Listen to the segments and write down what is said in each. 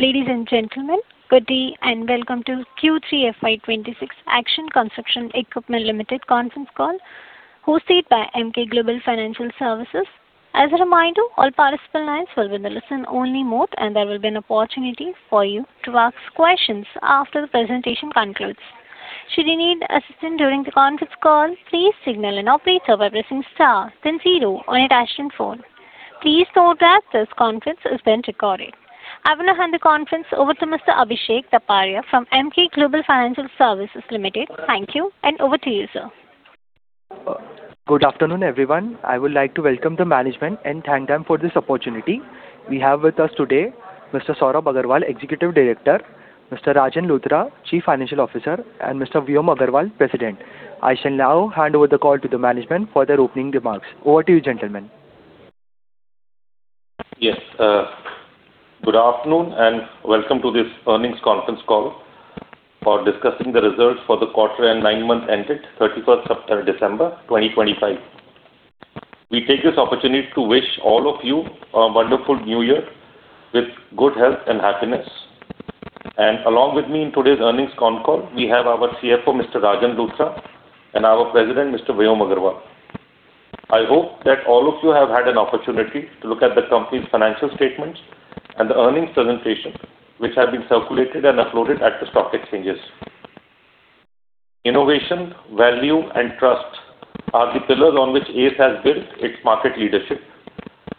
Ladies and gentlemen, good day, and welcome to Q3 FY26 Action Construction Equipment Limited conference call, hosted by Emkay Global Financial Services. As a reminder, all participant lines will be in the listen-only mode, and there will be an opportunity for you to ask questions after the presentation concludes. Should you need assistance during the conference call, please signal an operator by pressing star then zero on your touchtone phone. Please note that this conference is being recorded. I will now hand the conference over to Mr. Abhishek Taparia from Emkay Global Financial Services Limited. Thank you, and over to you, sir. Good afternoon, everyone. I would like to welcome the management and thank them for this opportunity. We have with us today Mr. Sorab Agarwal, Executive Director, Mr. Rajan Luthra, Chief Financial Officer, and Mr. Vyom Agarwal, President. I shall now hand over the call to the management for their opening remarks. Over to you, gentlemen. Yes, good afternoon, and welcome to this earnings conference call for discussing the results for the quarter and nine months ended 31st of December 2025. We take this opportunity to wish all of you a wonderful new year with good health and happiness. Along with me in today's earnings con call, we have our CFO, Mr. Rajan Luthra, and our President, Mr. Vyom Agarwal. I hope that all of you have had an opportunity to look at the company's financial statements and the earnings presentation, which have been circulated and uploaded at the stock exchanges. Innovation, value, and trust are the pillars on which ACE has built its market leadership.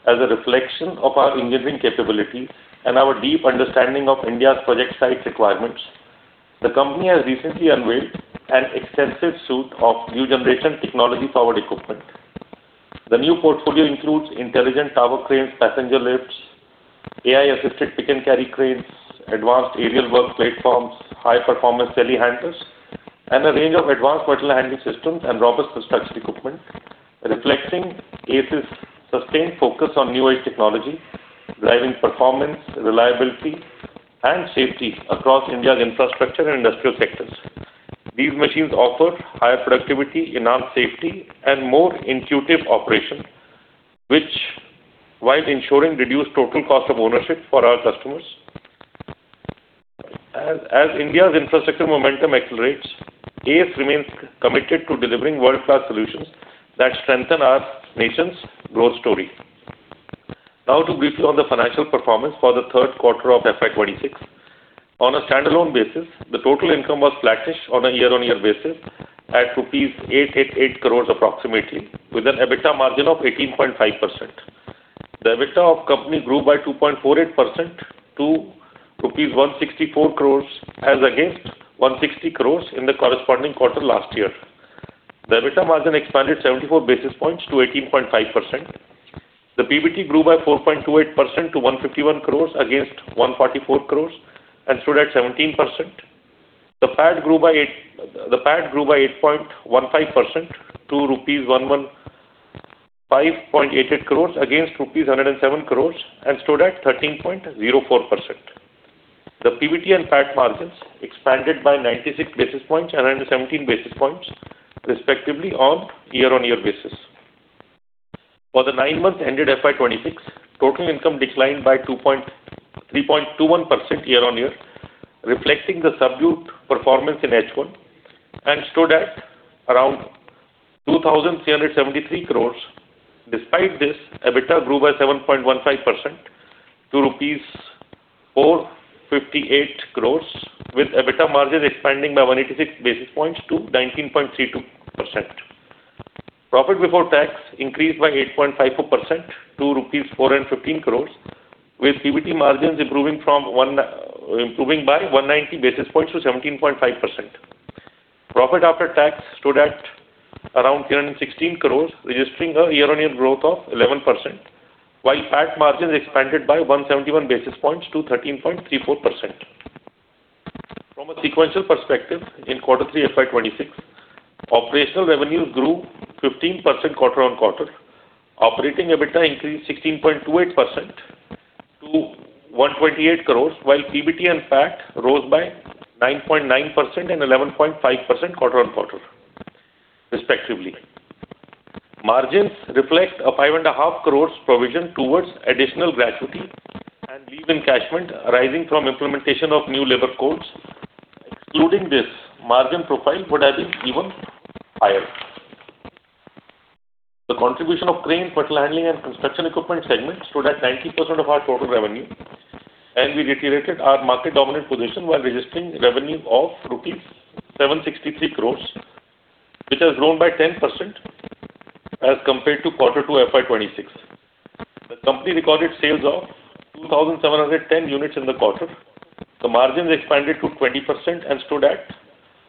As a reflection of our engineering capability and our deep understanding of India's project site requirements, the company has recently unveiled an extensive suite of new generation technology-powered equipment. The new portfolio includes intelligent tower cranes, passenger lifts, AI-assisted pick-and-carry cranes, advanced aerial work platforms, high-performance telehandlers, and a range of advanced material handling systems and robust construction equipment, reflecting ACE's sustained focus on new-age technology, driving performance, reliability, and safety across India's infrastructure and industrial sectors. These machines offer higher productivity, enhanced safety, and more intuitive operation, which, while ensuring reduced total cost of ownership for our customers. As India's infrastructure momentum accelerates, ACE remains committed to delivering world-class solutions that strengthen our nation's growth story. Now, to brief you on the financial performance for the third quarter of FY26. On a standalone basis, the total income was flattish on a year-on-year basis at rupees 888 crores approximately, with an EBITDA margin of 18.5%. The EBITDA of company grew by 2.48% to rupees 164 crores, as against 160 crores in the corresponding quarter last year. The EBITDA margin expanded 74 basis points to 18.5%. The PBT grew by 4.28% to 151 crores, against 144 crores and stood at 17%. The PAT grew by 8.15% to rupees 115.88 crores, against rupees 107 crores, and stood at 13.04%. The PBT and PAT margins expanded by 96 basis points and 117 basis points, respectively, on year-on-year basis. For the nine months ended FY 2026, total income declined by 2 point. 3.21% year-on-year, reflecting the subdued performance in H1, and stood at around 2,373 crore. Despite this, EBITDA grew by 7.15% to rupees 458 crore, with EBITDA margin expanding by 186 basis points to 19.32%. Profit before tax increased by 8.54% to rupees 415 crore, with PBT margins improving from one, improving by 190 basis points to 17.5%. Profit after tax stood at around 316 crore, registering a year-on-year growth of 11%, while PAT margins expanded by 171 basis points to 13.34%. From a sequential perspective, in quarter 3 FY26, operational revenues grew 15% quarter-on-quarter. Operating EBITDA increased 16.28% to 128 crore, while PBT and PAT rose by 9.9% and 11.5% quarter-on-quarter, respectively. Margins reflect a 5.5 crores provision towards additional gratuity and leave encashment arising from implementation of new labor codes. Excluding this, margin profile would have been even higher. The contribution of cranes, material handling, and construction equipment segment stood at 90% of our total revenue, and we reiterated our market dominant position while registering revenue of rupees 763 crore, which has grown by 10% as compared to quarter 2 FY26. The company recorded sales of 2,710 units in the quarter. The margins expanded to 20% and stood at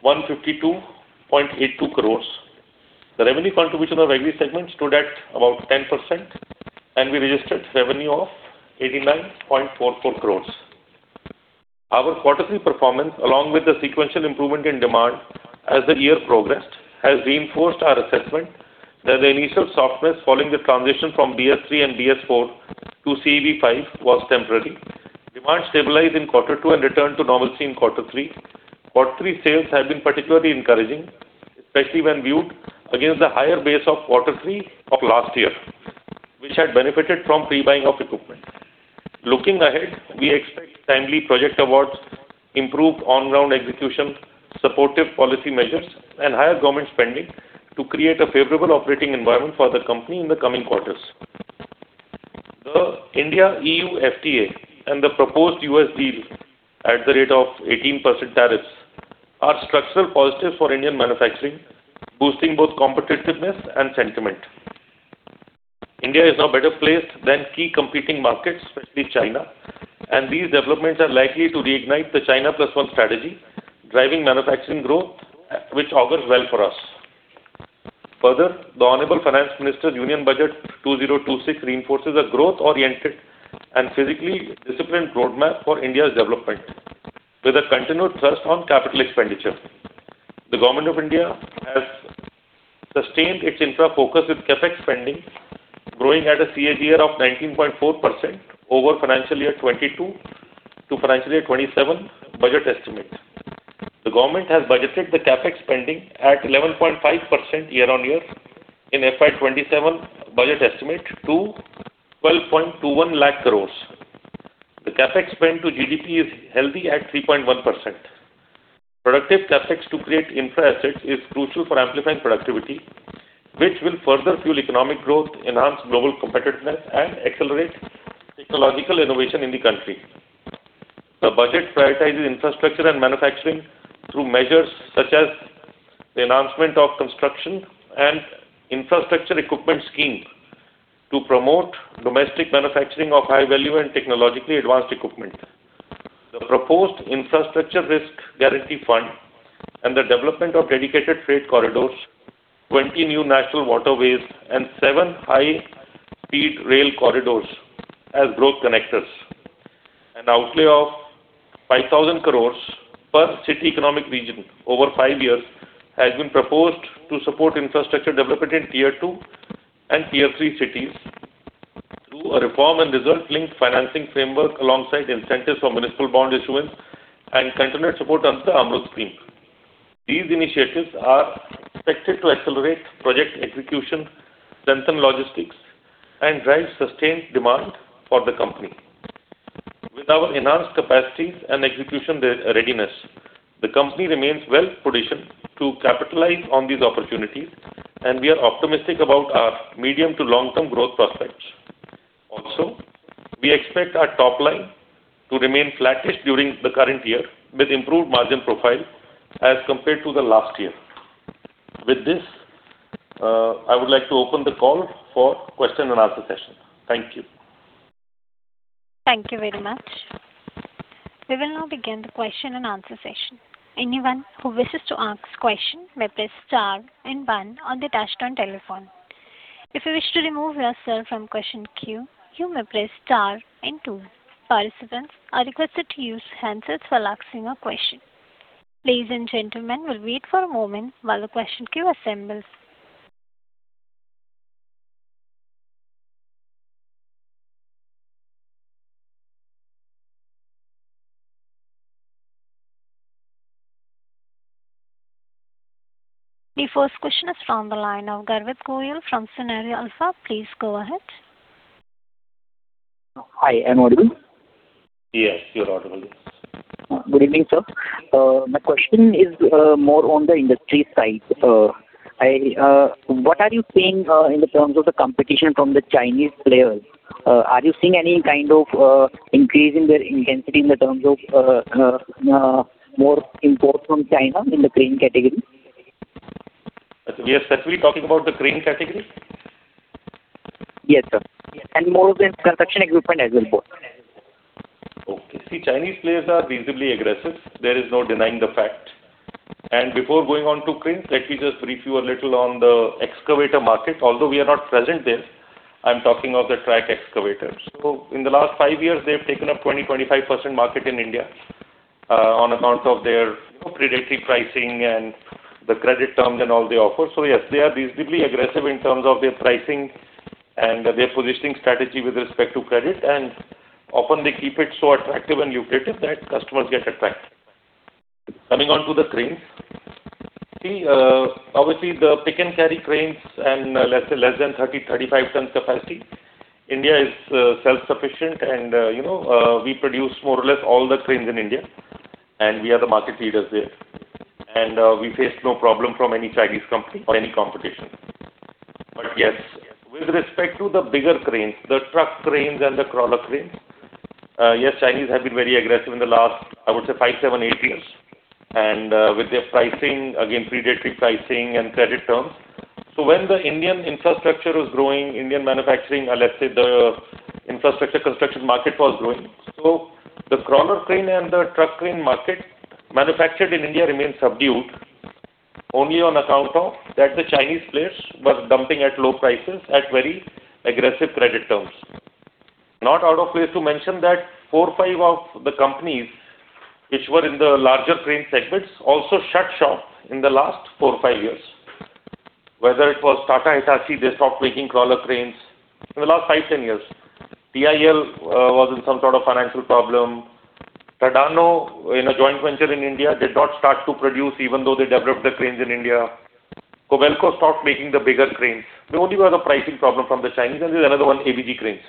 152.82 crore. The revenue contribution of every segment stood at about 10%, and we registered revenue of 89.44 crores. Our quarter three performance, along with the sequential improvement in demand as the year progressed, has reinforced our assessment that the initial softness following the transition from BS3 and BS4 to CEV5 was temporary. Demand stabilized in quarter two and returned to normalcy in quarter three. Quarter three sales have been particularly encouraging, especially when viewed against the higher base of quarter three of last year.which had benefited from pre-buying of equipment. Looking ahead, we expect timely project awards, improved on-ground execution, supportive policy measures, and higher government spending to create a favorable operating environment for the company in the coming quarters. The India-EU FTA and the proposed US deal at the rate of 18% tariffs are structural positive for Indian manufacturing, boosting both competitiveness and sentiment. India is now better placed than key competing markets, especially China, and these developments are likely to reignite the China Plus One strategy, driving manufacturing growth, which augurs well for us. Further, the Honorable Finance Minister Union Budget 2026 reinforces a growth-oriented and physically disciplined roadmap for India's development, with a continued thrust on capital expenditure. The Government of India has sustained its infra focus, with CapEx spending growing at a CAGR of 19.4% over FY22-FY27 budget estimates. The government has budgeted the CapEx spending at 11.5% year-on-year in FY27 budget estimate to 1,221,000 crore. The CapEx spend to GDP is healthy at 3.1%. Productive CapEx to create infra assets is crucial for amplifying productivity, which will further fuel economic growth, enhance global competitiveness, and accelerate technological innovation in the country. The budget prioritizes infrastructure and manufacturing through measures such as the enhancement of Construction and Infrastructure Equipment scheme to promote domestic manufacturing of high-value and technologically advanced equipment. The proposed Infrastructure Risk Guarantee Fund and the development of dedicated freight corridors, 20 new national waterways, and 7 high-speed rail corridors as growth connectors. An outlay of 5,000 crores per city economic region over 5 years has been proposed to support infrastructure development in Tier 2 and Tier 3 cities through a reform and result-linked financing framework, alongside incentives for municipal bond issuance and continued support under the AMRUT scheme. These initiatives are expected to accelerate project execution, strengthen logistics, and drive sustained demand for the company. With our enhanced capacities and execution re-readiness, the company remains well positioned to capitalize on these opportunities, and we are optimistic about our medium to long-term growth prospects. Also, we expect our top line to remain flattish during the current year, with improved margin profile as compared to the last year. With this, I would like to open the call for question and answer session. Thank you. Thank you very much. We will now begin the question and answer session. Anyone who wishes to ask question may press star and one on the touchtone telephone. If you wish to remove yourself from question queue, you may press star and two. Participants are requested to use handsets while asking a question. Ladies and gentlemen, we'll wait for a moment while the question queue assembles. The first question is from the line of Garvit Goyal from Serene Alpha. Please go ahead. Hi, am I audible? Yes, you are audible. Good evening, sir. My question is more on the industry side. What are you seeing in terms of the competition from the Chinese players? Are you seeing any kind of increase in their intensity in terms of more import from China in the crane category? We are specifically talking about the crane category? Yes, sir, and more of the construction equipment as well, both. Okay. See, Chinese players are reasonably aggressive. There is no denying the fact. And before going on to cranes, let me just brief you a little on the excavator market. Although we are not present there, I'm talking of the track excavators. So in the last five years, they've taken up 20%-25% market in India on account of their predatory pricing and the credit terms and all they offer. So yes, they are reasonably aggressive in terms of their pricing and their positioning strategy with respect to credit, and often they keep it so attractive and lucrative that customers get attracted. Coming on to the cranes, see, obviously, the pick and carry cranes and, less than 30-35 ton capacity, India is self-sufficient and, you know, we produce more or less all the cranes in India, and we are the market leaders there. And we face no problem from any Chinese company or any competition. But yes, with respect to the bigger cranes, the truck cranes and the crawler cranes, yes, Chinese have been very aggressive in the last, I would say, 5, 7, 8 years. And with their pricing, again, predatory pricing and credit terms. So when the Indian infrastructure was growing, Indian manufacturing, or let's say, the infrastructure construction market was growing, so the crawler crane and the truck crane market manufactured in India remained subdued only on account of that the Chinese players was dumping at low prices at very aggressive credit terms. Not out of place to mention that 4-5 of the companies which were in the larger crane segments also shut shop in the last 4-5 years. Whether it was Tata Hitachi, they stopped making crawler cranes in the last 5-10 years. TIL was in some sort of financial problem. Tadano, in a joint venture in India, did not start to produce even though they developed the cranes in India. Kobelco stopped making the bigger cranes. The only one, the pricing problem from the Chinese, and there's another one, ABG Cranes.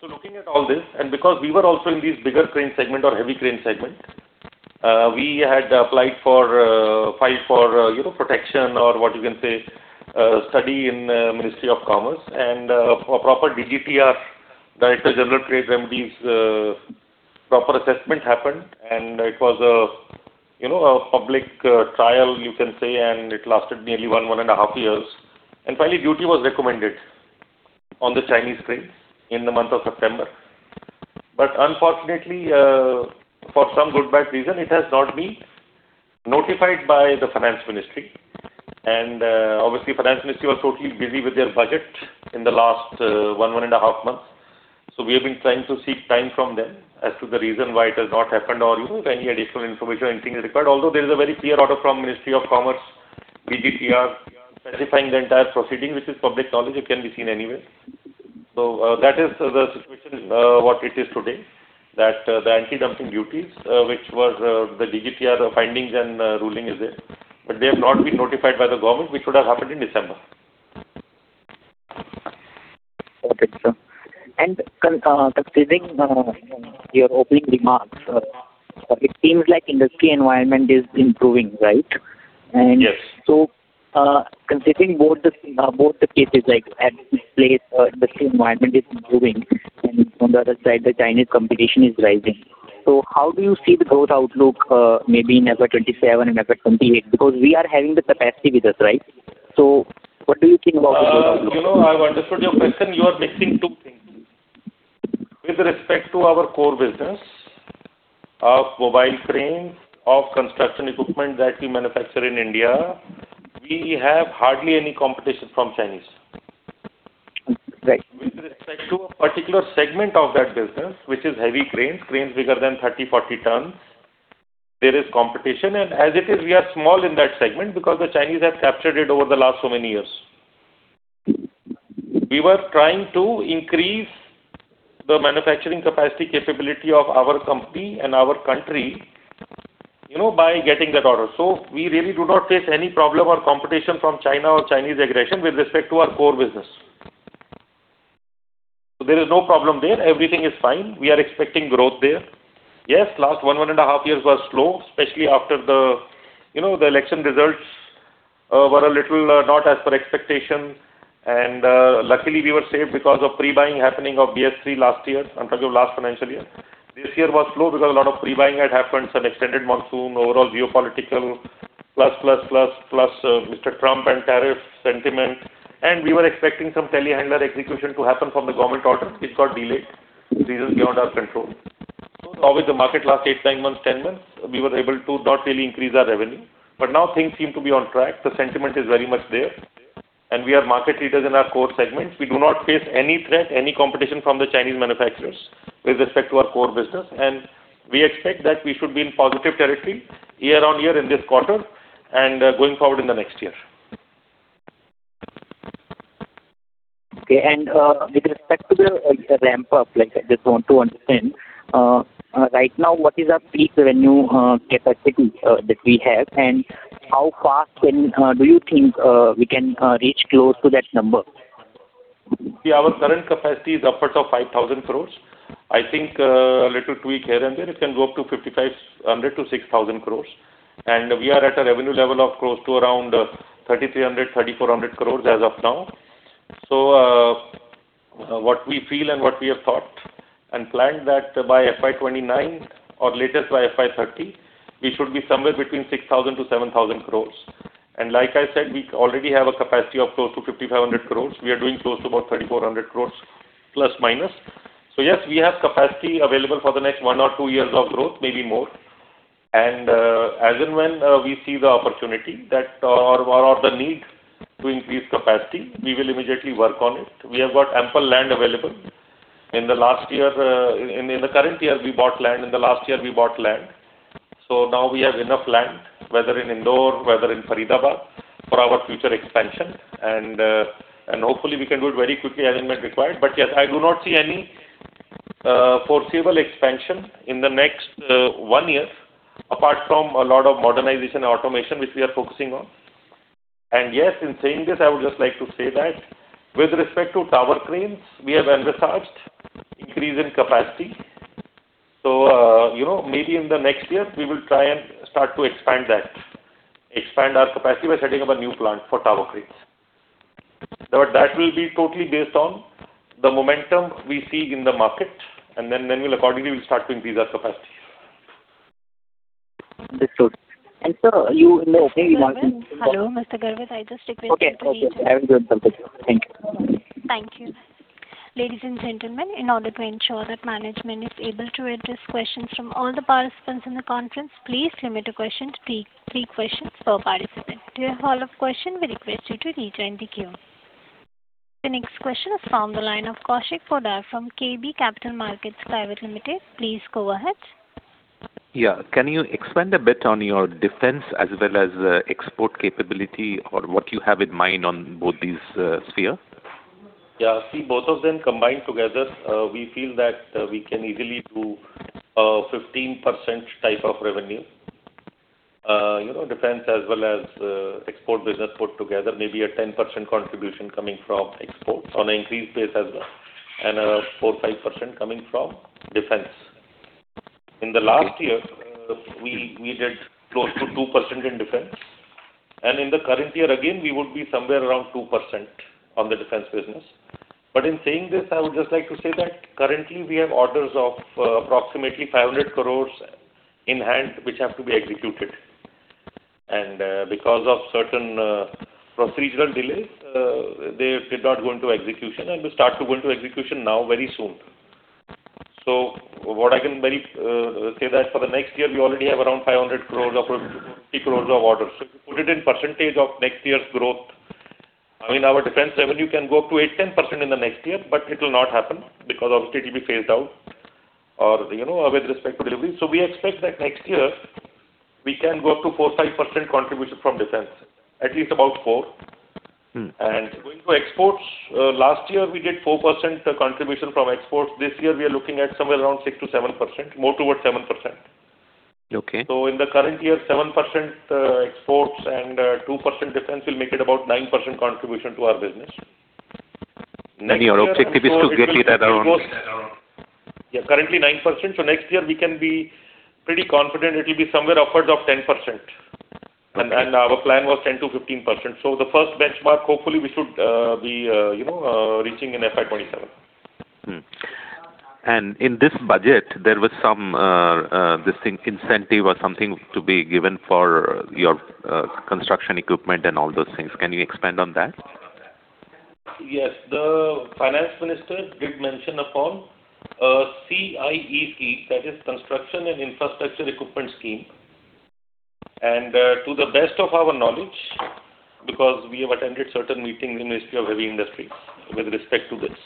So looking at all this, and because we were also in these bigger crane segment or heavy crane segment, we had applied for, file for, you know, protection or what you can say, study in, Ministry of Commerce. And for proper DGTR, Directorate General of Trade Remedies, proper assessment happened, and it was a, you know, a public, trial, you can say, and it lasted nearly one and a half years. And finally, duty was recommended on the Chinese cranes in the month of September. But unfortunately, for some good bad reason, it has not been notified by the Finance Ministry. And obviously, Finance Ministry was totally busy with their budget in the last, one and a half months. So we have been trying to seek time from them as to the reason why it has not happened, or, you know, if any additional information or anything is required. Although there is a very clear order from Ministry of Commerce, DGTR, specifying the entire proceeding, which is public knowledge, it can be seen anywhere. So, that is the situation, what it is today, that, the anti-dumping duties, which was, the DGTR findings and, ruling is there, but they have not been notified by the government, which should have happened in December. Okay, sir. And considering your opening remarks, it seems like industry environment is improving, right? Yes. And so, considering both the, both the cases, like, at this place, industry environment is improving, and on the other side, the Chinese competition is rising. So how do you see the growth outlook, maybe in FY27 and FY28? Because we are having the capacity with us, right? So what do you think about the growth outlook? You know, I've understood your question. You are mixing two things. With respect to our core business of mobile cranes, of construction equipment that we manufacture in India, we have hardly any competition from Chinese. Right. With respect to a particular segment of that business, which is heavy cranes, cranes bigger than 30, 40 tons, there is competition. As it is, we are small in that segment because the Chinese have captured it over the last so many years. We were trying to increase the manufacturing capacity, capability of our company and our country, you know, by getting that order. So we really do not face any problem or competition from China or Chinese aggression with respect to our core business. So there is no problem there. Everything is fine. We are expecting growth there. Yes, last one and a half years was slow, especially after the, you know, the election results, were a little, not as per expectations. Luckily, we were safe because of pre-buying happening of BS3 last year. I'm talking of last financial year. This year was slow because a lot of pre-buying had happened, some extended monsoon, overall geopolitical, plus, plus, plus, plus, Mr. Trump and tariff sentiment. We were expecting some telehandler execution to happen from the government order. It got delayed, reasons beyond our control. So obviously, the market last 8, 9 months, 10 months, we were able to not really increase our revenue, but now things seem to be on track. The sentiment is very much there, and we are market leaders in our core segments. We do not face any threat, any competition from the Chinese manufacturers with respect to our core business, and we expect that we should be in positive territory year-over-year in this quarter and, going forward in the next year. Okay, and with respect to the ramp up, like, I just want to understand right now what is our peak revenue capacity that we have, and how fast can do you think we can reach close to that number? See, our current capacity is upwards of 5,000 crore. I think, a little tweak here and there, it can go up to 5,500 crores-6,000 crores. And we are at a revenue level of close to around, 3,300 crores, 3,400 crores as of now. So, what we feel and what we have thought and planned that by FY 2029 or latest by FY 2030, we should be somewhere between 6,000 crores-7,000 crores. And like I said, we already have a capacity of close to 5,500 crores. We are doing close to about ±3,400 crores. So yes, we have capacity available for the next one or two years of growth, maybe more. And, as and when, we see the opportunity that, or, or the need to increase capacity, we will immediately work on it. We have got ample land available. In the last year, in the current year, we bought land. In the last year, we bought land. So now we have enough land, whether in Indore, whether in Faridabad, for our future expansion. And, and hopefully, we can do it very quickly as and when required. But yes, I do not see any foreseeable expansion in the next one year, apart from a lot of modernization and automation, which we are focusing on. And yes, in saying this, I would just like to say that with respect to tower cranes, we have envisaged increase in capacity. So, you know, maybe in the next year, we will try and start to expand that, expand our capacity by setting up a new plant for tower cranes. But that will be totally based on the momentum we see in the market, and then we'll accordingly start to increase our capacity. That's good. And sir, you know, maybe you want to- Hello, Mr. Garvit, I just- Okay, okay. Have a good one. Thank you. Thank you. Ladies and gentlemen, in order to ensure that management is able to address questions from all the participants in the conference, please limit the question to three, three questions per participant. To your follow-up question, we request you to rejoin the queue. The next question is from the line of Kaushik Poddar from KB Capital Markets Private Limited. Please go ahead. . Yeah. Can you expand a bit on your defense as well as, export capability or what you have in mind on both these, sphere? Yeah, see, both of them combined together, we feel that we can easily do 15% type of revenue. You know, defense as well as export business put together, maybe a 10% contribution coming from exports on an increased base as well, and 4%-5% coming from defense. In the last year, we did close to 2% in defense, and in the current year, again, we would be somewhere around 2% on the defense business. But in saying this, I would just like to say that currently we have orders of approximately 500 crores in hand, which have to be executed. And because of certain procedural delays, they did not go into execution, and will start to go into execution now, very soon. So what I can very say that for the next year, we already have around 500 crores of orders. So if you put it in percentage of next year's growth, I mean, our defense revenue can go up to 8%-10% in the next year, but it will not happen because obviously it will be phased out or, you know, with respect to delivery. So we expect that next year we can go up to 4%-5% contribution from defense, at least about 4%. Mm. Going to exports, last year, we did 4% contribution from exports. This year, we are looking at somewhere around 6%-7%, more towards 7%. Okay. So in the current year, 7% exports and 2% defense will make it about 9% contribution to our business. Your objective is to get it at around- Yeah, currently 9%. So next year we can be pretty confident it will be somewhere upwards of 10%. Okay. Our plan was 10%-15%. So the first benchmark, hopefully we should be, you know, reaching in FY 2027. In this budget, there was some this thing, incentive or something to be given for your construction equipment and all those things. Can you expand on that? Yes. The finance minister did mention upon a CIE scheme, that is Construction and Infrastructure Equipment scheme. To the best of our knowledge, because we have attended certain meetings in Ministry of Heavy Industries with respect to this,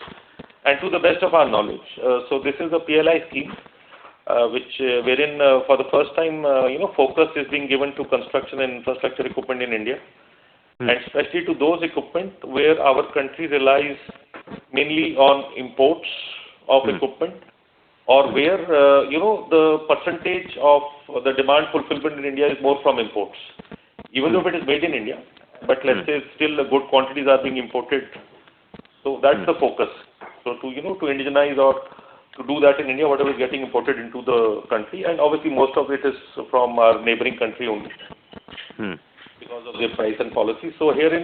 and to the best of our knowledge, so this is a PLI scheme, which, wherein, for the first time, you know, focus is being given to construction and infrastructure equipment in India. Mm. Especially to those equipment where our country relies mainly on imports of equipment. Mm. -or where, you know, the percentage of the demand fulfillment in India is more from imports, even though it is made in India. Mm. But let's say, still the good quantities are being imported. So that's the focus. Mm. So, you know, to indigenize or to do that in India, whatever is getting imported into the country, and obviously most of it is from our neighboring country only. Mm. because of their price and policy. So herein,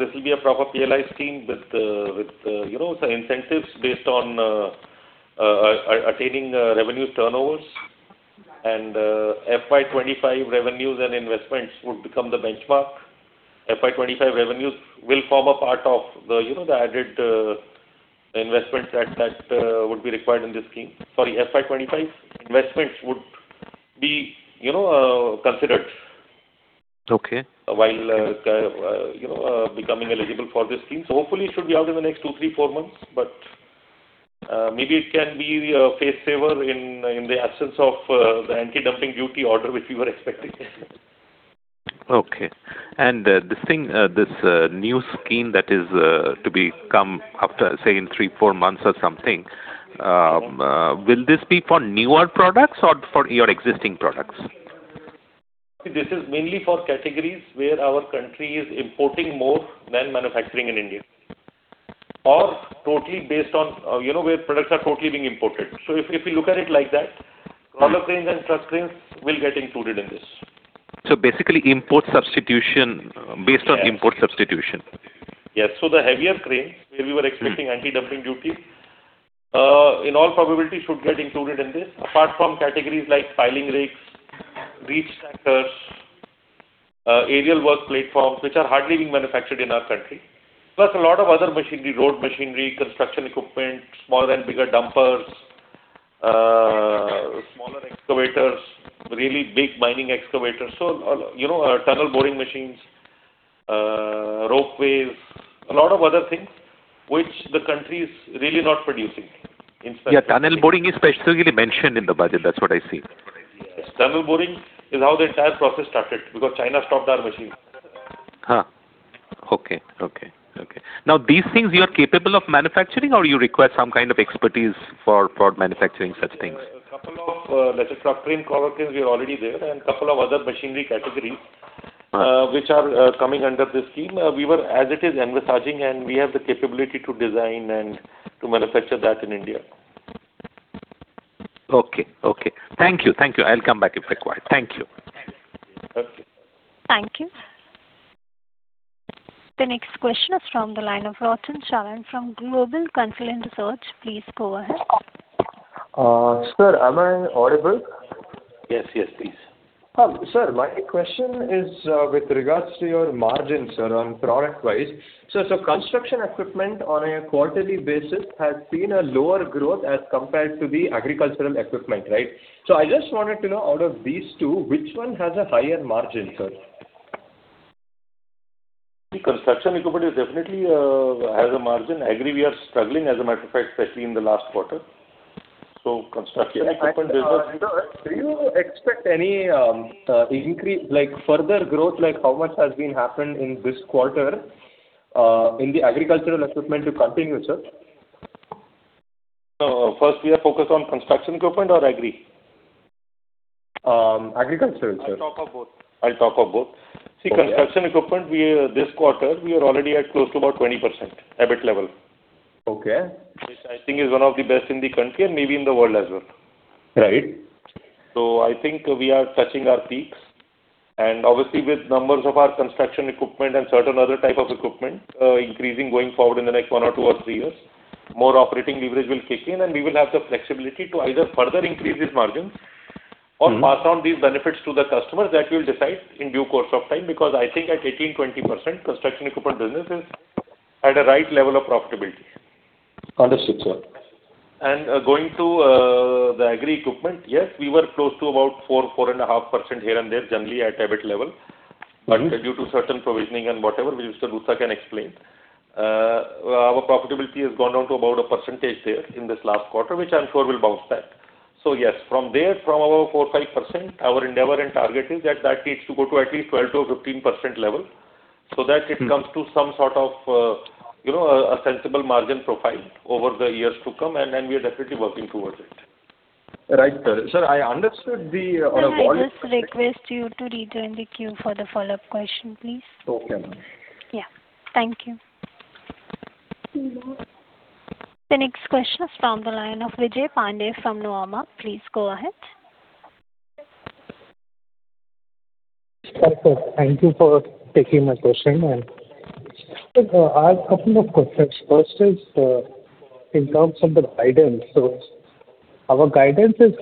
this will be a proper PLI scheme with, with, you know, some incentives based on, attaining, revenue turnovers. And, FY25 revenues and investments would become the benchmark. FY25 revenues will form a part of the, you know, the added, investments that, that, would be required in this scheme. Sorry, FY25 investments would be, you know, considered. Okay. While, you know, becoming eligible for this scheme. So hopefully it should be out in the next two, three, four months, but maybe it can be a face saver in the absence of the anti-dumping duty order, which we were expecting. Okay. This thing, new scheme that is to come after, say, in 3-4 months or something, will this be for newer products or for your existing products? This is mainly for categories where our country is importing more than manufacturing in India, or totally based on, you know, where products are totally being imported. So if, if you look at it like that- Mm Crawler cranes and truck cranes will get included in this. Basically, import substitution based on import substitution. Yes. So the heavier cranes, where we were expecting anti-dumping duty, in all probability should get included in this, apart from categories like piling rigs, reach stackers, aerial work platforms, which are hardly being manufactured in our country. Plus, a lot of other machinery, road machinery, construction equipment, smaller and bigger dumpers, smaller excavators, really big mining excavators. So, you know, tunnel boring machines, ropeways, a lot of other things which the country is really not producing in fact. Yeah, tunnel boring is specifically mentioned in the budget. That's what I see. Yes. Tunnel boring is how the entire process started, because China stopped our machine. Ah! Okay, okay, okay. Now, these things you are capable of manufacturing, or you require some kind of expertise for, for manufacturing such things? A couple of, let's say, truck crane crawler cranes, we are already there, and a couple of other machinery categories- Uh. which are coming under this scheme. We were, as it is, envisaging, and we have the capability to design and to manufacture that in India. Okay, okay. Thank you. Thank you. I'll come back if required. Thank you. Okay. Thank you. The next question is from the line of Rochan Charan from Global Consilient Research. Please go ahead. Sir, am I audible? Yes, yes, please. Sir, my question is, with regards to your margins, sir, on product-wise. So construction equipment on a quarterly basis has seen a lower growth as compared to the agricultural equipment, right? So I just wanted to know, out of these two, which one has a higher margin, sir? . The construction equipment is definitely has a margin. Agree, we are struggling, as a matter of fact, especially in the last quarter. So construction equipment business- Sir, do you expect any, increase, like, further growth, like how much has been happened in this quarter, in the agricultural equipment to continue, sir? First, we are focused on construction equipment or agri? Agricultural, sir. I'll talk of both. I'll talk of both. Okay. See, construction equipment, we, this quarter, we are already at close to about 20% EBIT level. Okay. Which I think is one of the best in the country and maybe in the world as well. Right. So I think we are touching our peaks, and obviously with numbers of our construction equipment and certain other type of equipment, increasing going forward in the next 1 or 2 or 3 years, more operating leverage will kick in, and we will have the flexibility to either further increase these margins- Mm-hmm. or pass on these benefits to the customer. That we'll decide in due course of time, because I think at 18%-20%, construction equipment business is at a right level of profitability. Understood, sir. Going to the agri equipment, yes, we were close to about 4%-4.5% here and there, generally at EBIT level. Mm-hmm. But due to certain provisioning and whatever, which Mr. Luthra can explain, our profitability has gone down to about a percentage there in this last quarter, which I'm sure will bounce back. So yes, from there, from our 4-5%, our endeavor and target is that that needs to go to at least 12%-15% level, so that- Mm. It comes to some sort of, you know, a sensible margin profile over the years to come, and we are definitely working towards it. Right, sir. Sir, I understood the, on a volume- Can I just request you to rejoin the queue for the follow-up question, please? Okay, ma'am. Yeah. Thank you. The next question is from the line of Vijay Pandey from Nuvama. Please go ahead. Hi, sir. Thank you for taking my question. And, sir, I have a couple of questions. First is, in terms of the guidance. So our guidance is,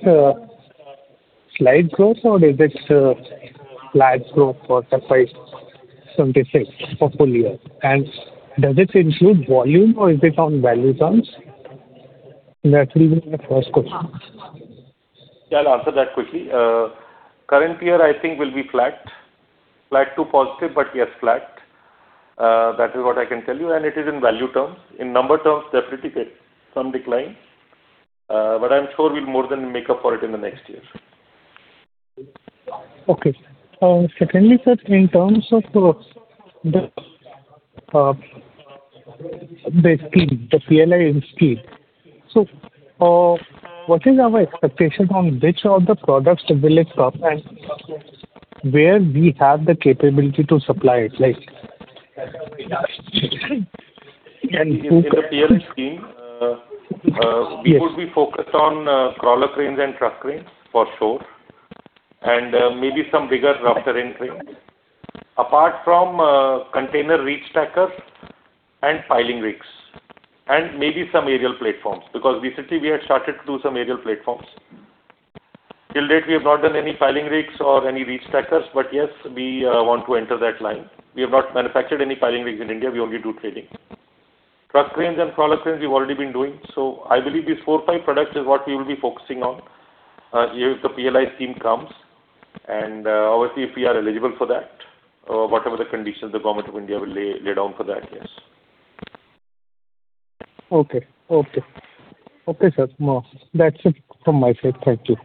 slight growth or is it, flat growth for fiscal 26 for full year? And does it include volume, or is it on value terms? That will be my first question. Yeah, I'll answer that quickly. Current year, I think will be flat. Flat to positive, but, yes, flat. That is what I can tell you, and it is in value terms. In number terms, definitely there's some decline, but I'm sure we'll more than make up for it in the next year. Okay. Secondly, sir, in terms of the scheme, the PLI scheme, so, what is our expectation on which of the products will it come and where we have the capability to supply it, like? And- In the PLI scheme, Yes. We would be focused on crawler cranes and truck cranes for sure, and maybe some bigger rough terrain cranes. Apart from container reach stackers and piling rigs, and maybe some aerial platforms, because recently we had started to do some aerial platforms. Till date, we have not done any piling rigs or any reach stackers, but yes, we want to enter that line. We have not manufactured any piling rigs in India, we only do trading. Truck cranes and crawler cranes, we've already been doing. So I believe these four, five products is what we will be focusing on if the PLI scheme comes, and obviously, if we are eligible for that, whatever the conditions the Government of India will lay down for that, yes. Okay. Okay. Okay, sir. No, that's it from my side. Thank you.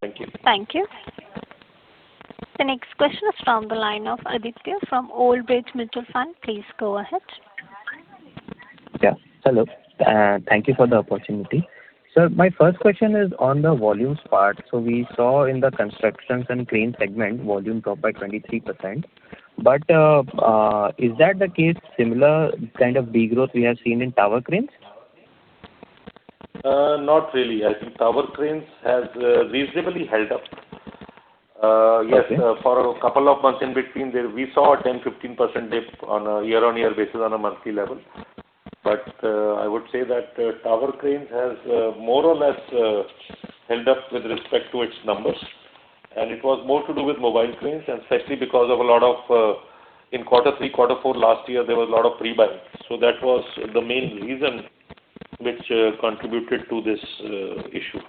Thank you. Thank you. The next question is from the line of Aditya from Old Bridge Capital Management. Please go ahead. Yeah, hello. Thank you for the opportunity. Sir, my first question is on the volumes part. So we saw in the construction and crane segment, volume dropped by 23%. But, is that the case, similar kind of degrowth we have seen in tower cranes? Not really. I think Tower Cranes has reasonably held up. Yes- Okay. For a couple of months in between there, we saw a 10%-15% dip on a year-on-year basis on a monthly level. But I would say that tower cranes has more or less held up with respect to its numbers. And it was more to do with mobile cranes, and especially because of a lot of in quarter three, quarter four last year, there was a lot of pre-buying. So that was the main reason which contributed to this issue.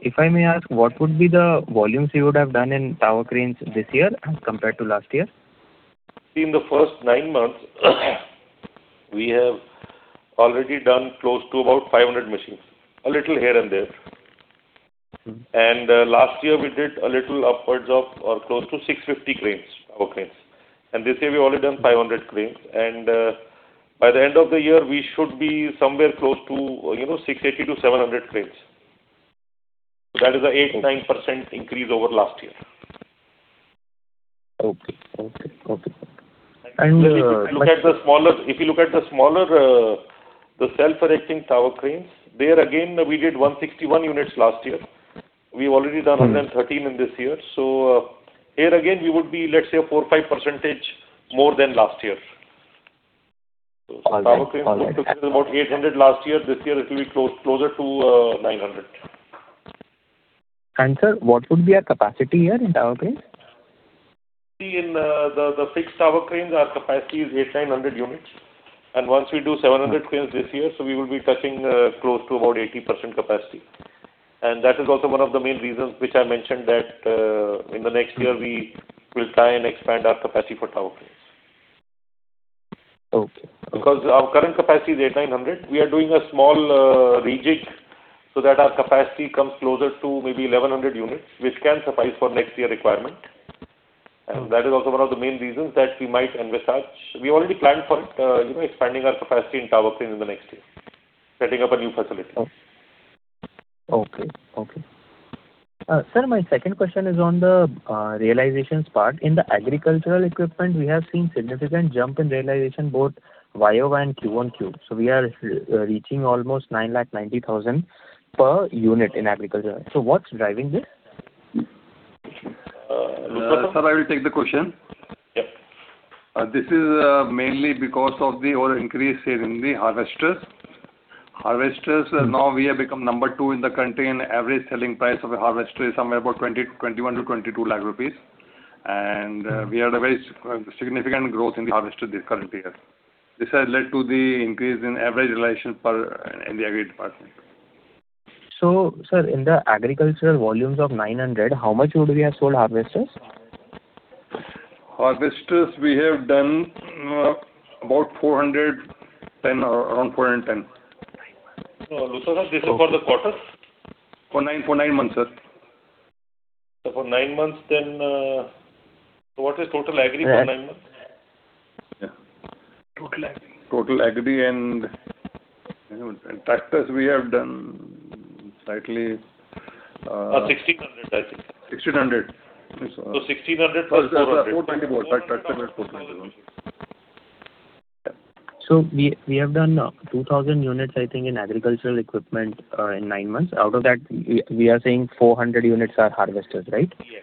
If I may ask, what would be the volumes you would have done in Tower Cranes this year as compared to last year? In the first nine months, we have already done close to about 500 machines, a little here and there. Mm. Last year, we did a little upwards of or close to 650 cranes, tower cranes. This year we've only done 500 cranes, and by the end of the year, we should be somewhere close to, you know, 680-700 cranes. Okay. That is an 8.9% increase over last year. Okay. Okay, okay. And- If you look at the smaller, the self-erecting tower cranes, there again, we did 161 units last year. We've already done- Mm. 113 in this year. So, here again, we would be, let's say, 4-5% more than last year. All right. So tower cranes, about 800 last year. This year it will be close, closer to 900. Sir, what would be our capacity here in tower cranes? See, in the fixed tower cranes, our capacity is 800-900 units. And once we do 700 cranes this year, so we will be touching close to about 80% capacity. And that is also one of the main reasons which I mentioned that in the next year, we will try and expand our capacity for tower cranes. Okay. Because our current capacity is 800-900. We are doing a small rejig, so that our capacity comes closer to maybe 1,100 units, which can suffice for next year requirement. And that is also one of the main reasons that we might invest such. We already planned for, you know, expanding our capacity in tower cranes in the next year, setting up a new facility. Okay, okay. Sir, my second question is on the realizations part. In the agricultural equipment, we have seen significant jump in realization, both YOY and QOQ. So we are reaching almost 990,000 per unit in agriculture. So what's driving this? Sir, I will take the question. Yep. This is mainly because of the over increase here in the harvesters. Harvesters, now we have become number two in the country, and average selling price of a harvester is somewhere about 20 lakh, 21 to 22 lakh. We had a very significant growth in the harvester this current year. This has led to the increase in average realization per in the agri department. Sir, in the agricultural volumes of 900, how much would we have sold harvesters? Harvesters, we have done about 410, or around 410. So, Luthra, sir, this is for the quarter? For nine, for nine months, sir. For nine months, then, so what is total agri for nine months? Yeah. Total agri. Total agri and tractors we have done slightly. 1600, I think. Sixteen hundred. So 1,600- 424. Tractors are 424. We have done 2,000 units, I think, in agricultural equipment in nine months. Out of that, we are saying 400 units are harvesters, right? Yes. Yeah.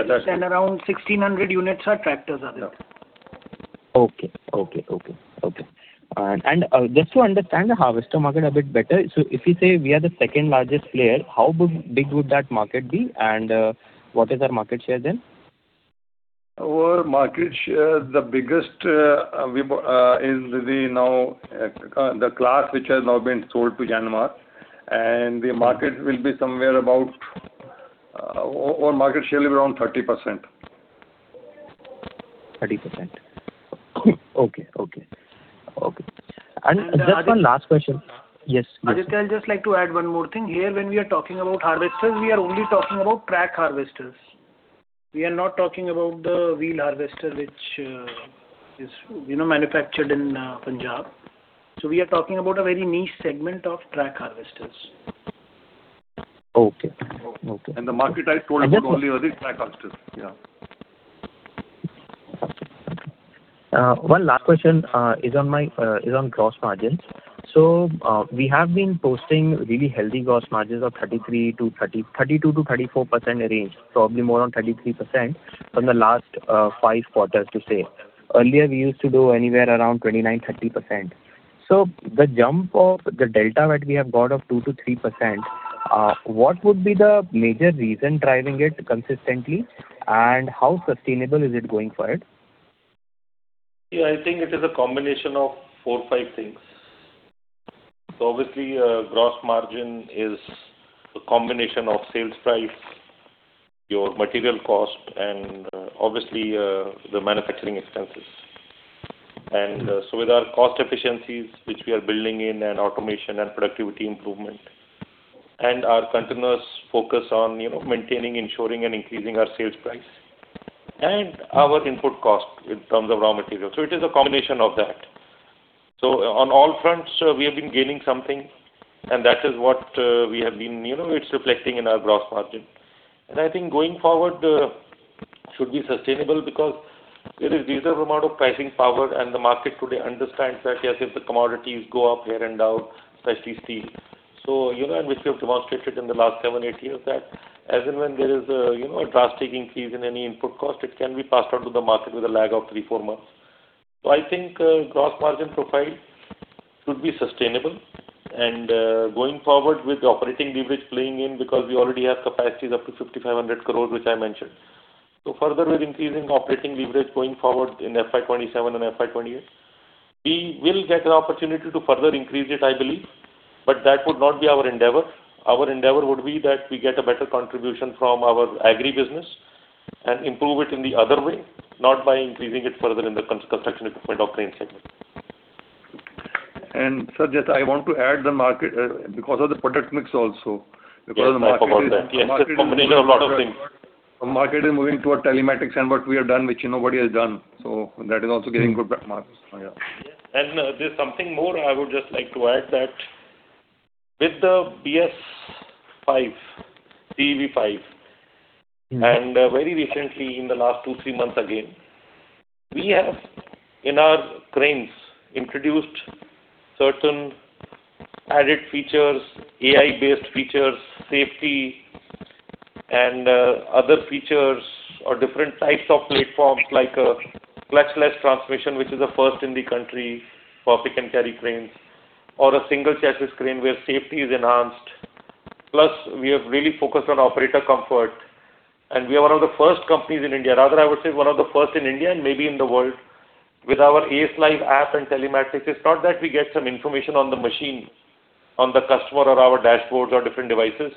Around 1,600 units of tractors are there. Just to understand the harvester market a bit better, so if you say we are the second largest player, how big would that market be, and what is our market share then? Our market share, the biggest, is the Claas which has now been sold to Yanmar, and the market will be somewhere about, our market share will be around 30%. 30%. Okay, okay. Okay. And- Just one last question. Yes, please. I'd just like to add one more thing. Here, when we are talking about harvesters, we are only talking about Track Harvesters. We are not talking about the Wheel Harvester, which, is, you know, manufactured in, Punjab. So we are talking about a very niche segment of Track Harvesters. Okay. Okay. The market I told you, only Track Harvesters. Yeah. One last question is on my gross margins. We have been posting really healthy gross margins of 32%-34% range, probably more on 33% from the last five quarters to say. Earlier, we used to do anywhere around 29%-30%. The jump of the delta that we have got of 2%-3%, what would be the major reason driving it consistently, and how sustainable is it going forward? Yeah, I think it is a combination of four, five things. So obviously, gross margin is a combination of sales price, your material cost, and, obviously, the manufacturing expenses. And, so with our cost efficiencies, which we are building in, and automation and productivity improvement, and our continuous focus on, you know, maintaining, ensuring, and increasing our sales price, and our input cost in terms of raw material. So it is a combination of that. So on all fronts, we have been gaining something, and that is what, we have been. You know, it's reflecting in our gross margin. And I think going forward, should be sustainable because it is reasonable amount of pricing power, and the market today understands that, yes, if the commodities go up here and now, especially steel. So, you know, and which we have demonstrated in the last 7, 8 years, that as and when there is a, you know, a drastic increase in any input cost, it can be passed on to the market with a lag of 3-4 months. So I think, gross margin profile should be sustainable, and, going forward with operating leverage playing in because we already have capacities up to 5,500 crore, which I mentioned. So further, we're increasing operating leverage going forward in FY27 and FY28. We will get an opportunity to further increase it, I believe, but that would not be our endeavor. Our endeavor would be that we get a better contribution from our agri business and improve it in the other way, not by increasing it further in the construction equipment or crane segment. Sir, just I want to add the market, because of the product mix also. Yes, I forgot that. Because the market- Yes, combination of a lot of things. The market is moving toward telematics and what we have done, which nobody has done. So that is also getting good marks. Yeah. And, there's something more I would just like to add, that with the BS5, CEV-V, and, very recently, in the last 2-3 months again, we have, in our cranes, introduced certain added features, AI-based features, safety and, other features or different types of platforms, like, clutchless transmission, which is a first in the country for pick-and-carry cranes, or a single chassis crane where safety is enhanced. Plus, we have really focused on operator comfort. And we are one of the first companies in India, rather, I would say one of the first in India and maybe in the world, with our ACE Live app and telematics. It's not that we get some information on the machine, on the customer, or our dashboards or different devices.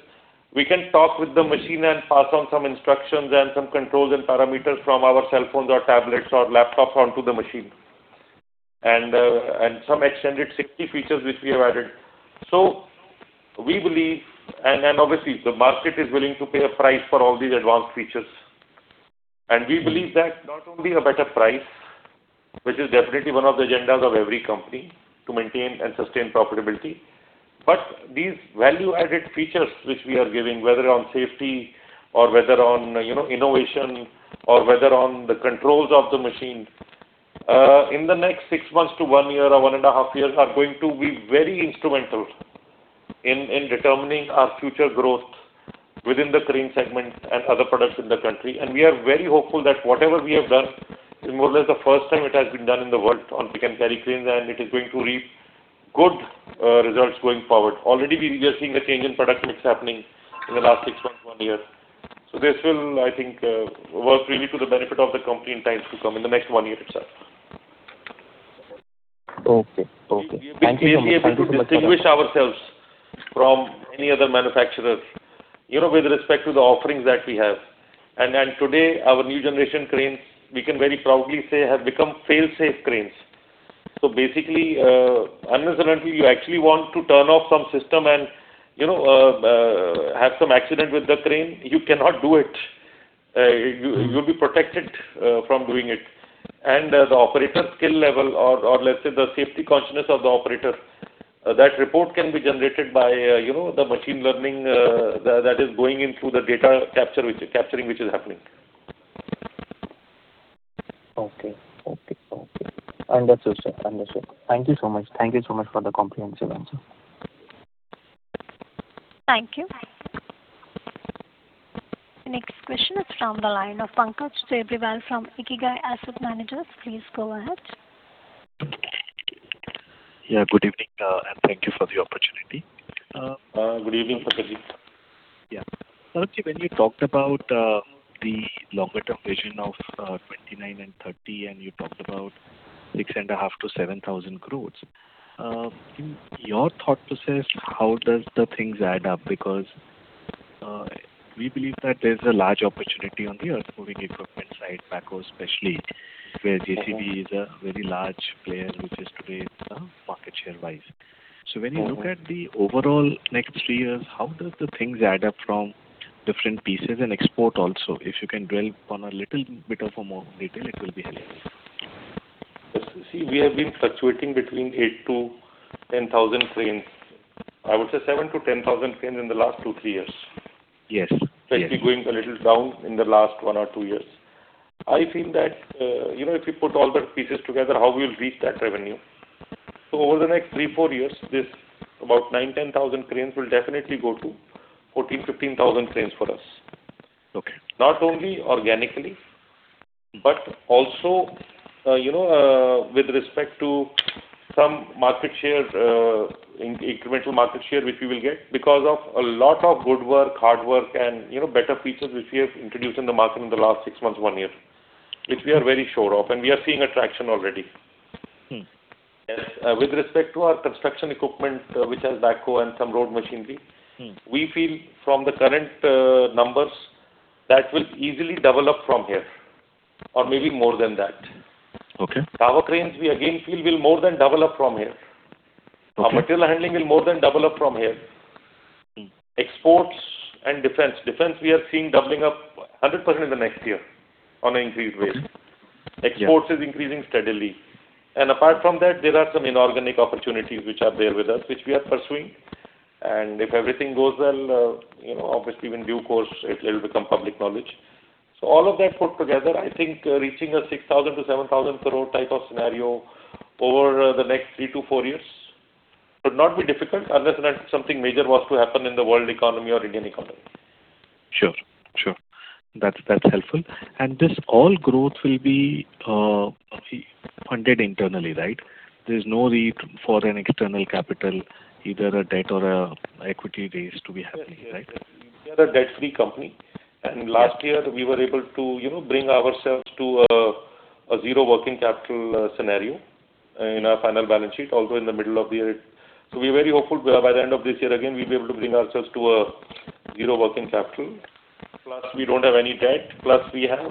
We can talk with the machine and pass on some instructions and some controls and parameters from our cell phones or tablets or laptops onto the machine, and and some extended safety features which we have added. So we believe and obviously, the market is willing to pay a price for all these advanced features. And we believe that not only a better price, which is definitely one of the agendas of every company to maintain and sustain profitability, but these value-added features which we are giving, whether on safety or whether on, you know, innovation or whether on the controls of the machine, in the next 6 months to 1 year or 1.5 years, are going to be very instrumental in determining our future growth within the crane segment and other products in the country. We are very hopeful that whatever we have done is more or less the first time it has been done in the world on pick and carry cranes, and it is going to reap good, results going forward. Already, we are seeing a change in product mix happening in the last six months, one year. This will, I think, work really to the benefit of the company in times to come, in the next one year itself. Okay. Okay. Thank you so much. We are able to distinguish ourselves from any other manufacturers, you know, with respect to the offerings that we have. And today, our new generation cranes, we can very proudly say, have become fail-safe cranes. So basically, unless and until you actually want to turn off some system and, you know, have some accident with the crane, you cannot do it. You'll be protected from doing it. And the operator skill level or let's say, the safety consciousness of the operator, that report can be generated by, you know, the machine learning that is going in through the data capture, which is happening. Okay. Okay. Okay. Understood, sir. Understood. Thank you so much. Thank you so much for the comprehensive answer. Thank you. The next question is from the line of Pankaj Tibrewal from Ikigai Asset Managers. Please go ahead. Yeah, good evening, and thank you for the opportunity. Good evening, Pankaj. Yeah. Sir, when you talked about the longer term vision of 2029 and 2030, and you talked about 6,500 crores-7,000 crores in your thought process, how does the things add up? Because we believe that there's a large opportunity on the earthmoving equipment side, backhoe especially, where JCB is a very large player, which is today, it's market share-wise. Mm-hmm. When you look at the overall next three years, how does the things add up from different pieces and export also? If you can dwell on a little bit of a more detail, it will be helpful. See, we have been fluctuating between 8,000-10,000 cranes. I would say 7,000-10,000 cranes in the last 2, 3 years. Yes. Yes. Actually, going a little down in the last 1 or 2 years. I feel that, you know, if you put all the pieces together, how we will reach that revenue. So over the next 3 or 4 years, this about 9,000-10,000 cranes will definitely go to 14,000-15,000 cranes for us. Okay. Not only organically, but also, you know, with respect to some market share, incremental market share, which we will get because of a lot of good work, hard work, and, you know, better features which we have introduced in the market in the last six months, one year, which we are very sure of, and we are seeing a traction already. Mm. With respect to our construction equipment, which has backhoe and some road machinery. Mm. We feel from the current numbers that will easily double up from here, or maybe more than that. Okay. Tower Cranes, we again feel, will more than double up from here. Okay. Our material handling will more than double up from here. Mm. Exports and defense. Defense, we are seeing doubling up 100% in the next year on an increased rate. Okay. Yeah. Exports is increasing steadily. Apart from that, there are some inorganic opportunities which are there with us, which we are pursuing. If everything goes well, you know, obviously, in due course, it will become public knowledge. All of that put together, I think reaching an 6,000 crores-7,000 crores type of scenario over the next 3-4 years should not be difficult unless and until something major was to happen in the world economy or Indian economy. Sure. Sure. That's, that's helpful. And this all growth will be funded internally, right? There's no need for an external capital, either a debt or an equity raise to be happening, right? We are a debt-free company. Yeah. And last year, we were able to, you know, bring ourselves to a zero working capital scenario in our final balance sheet, also in the middle of the year. So we're very hopeful by the end of this year, again, we'll be able to bring ourselves to zero working capital. Plus, we don't have any debt, plus we have,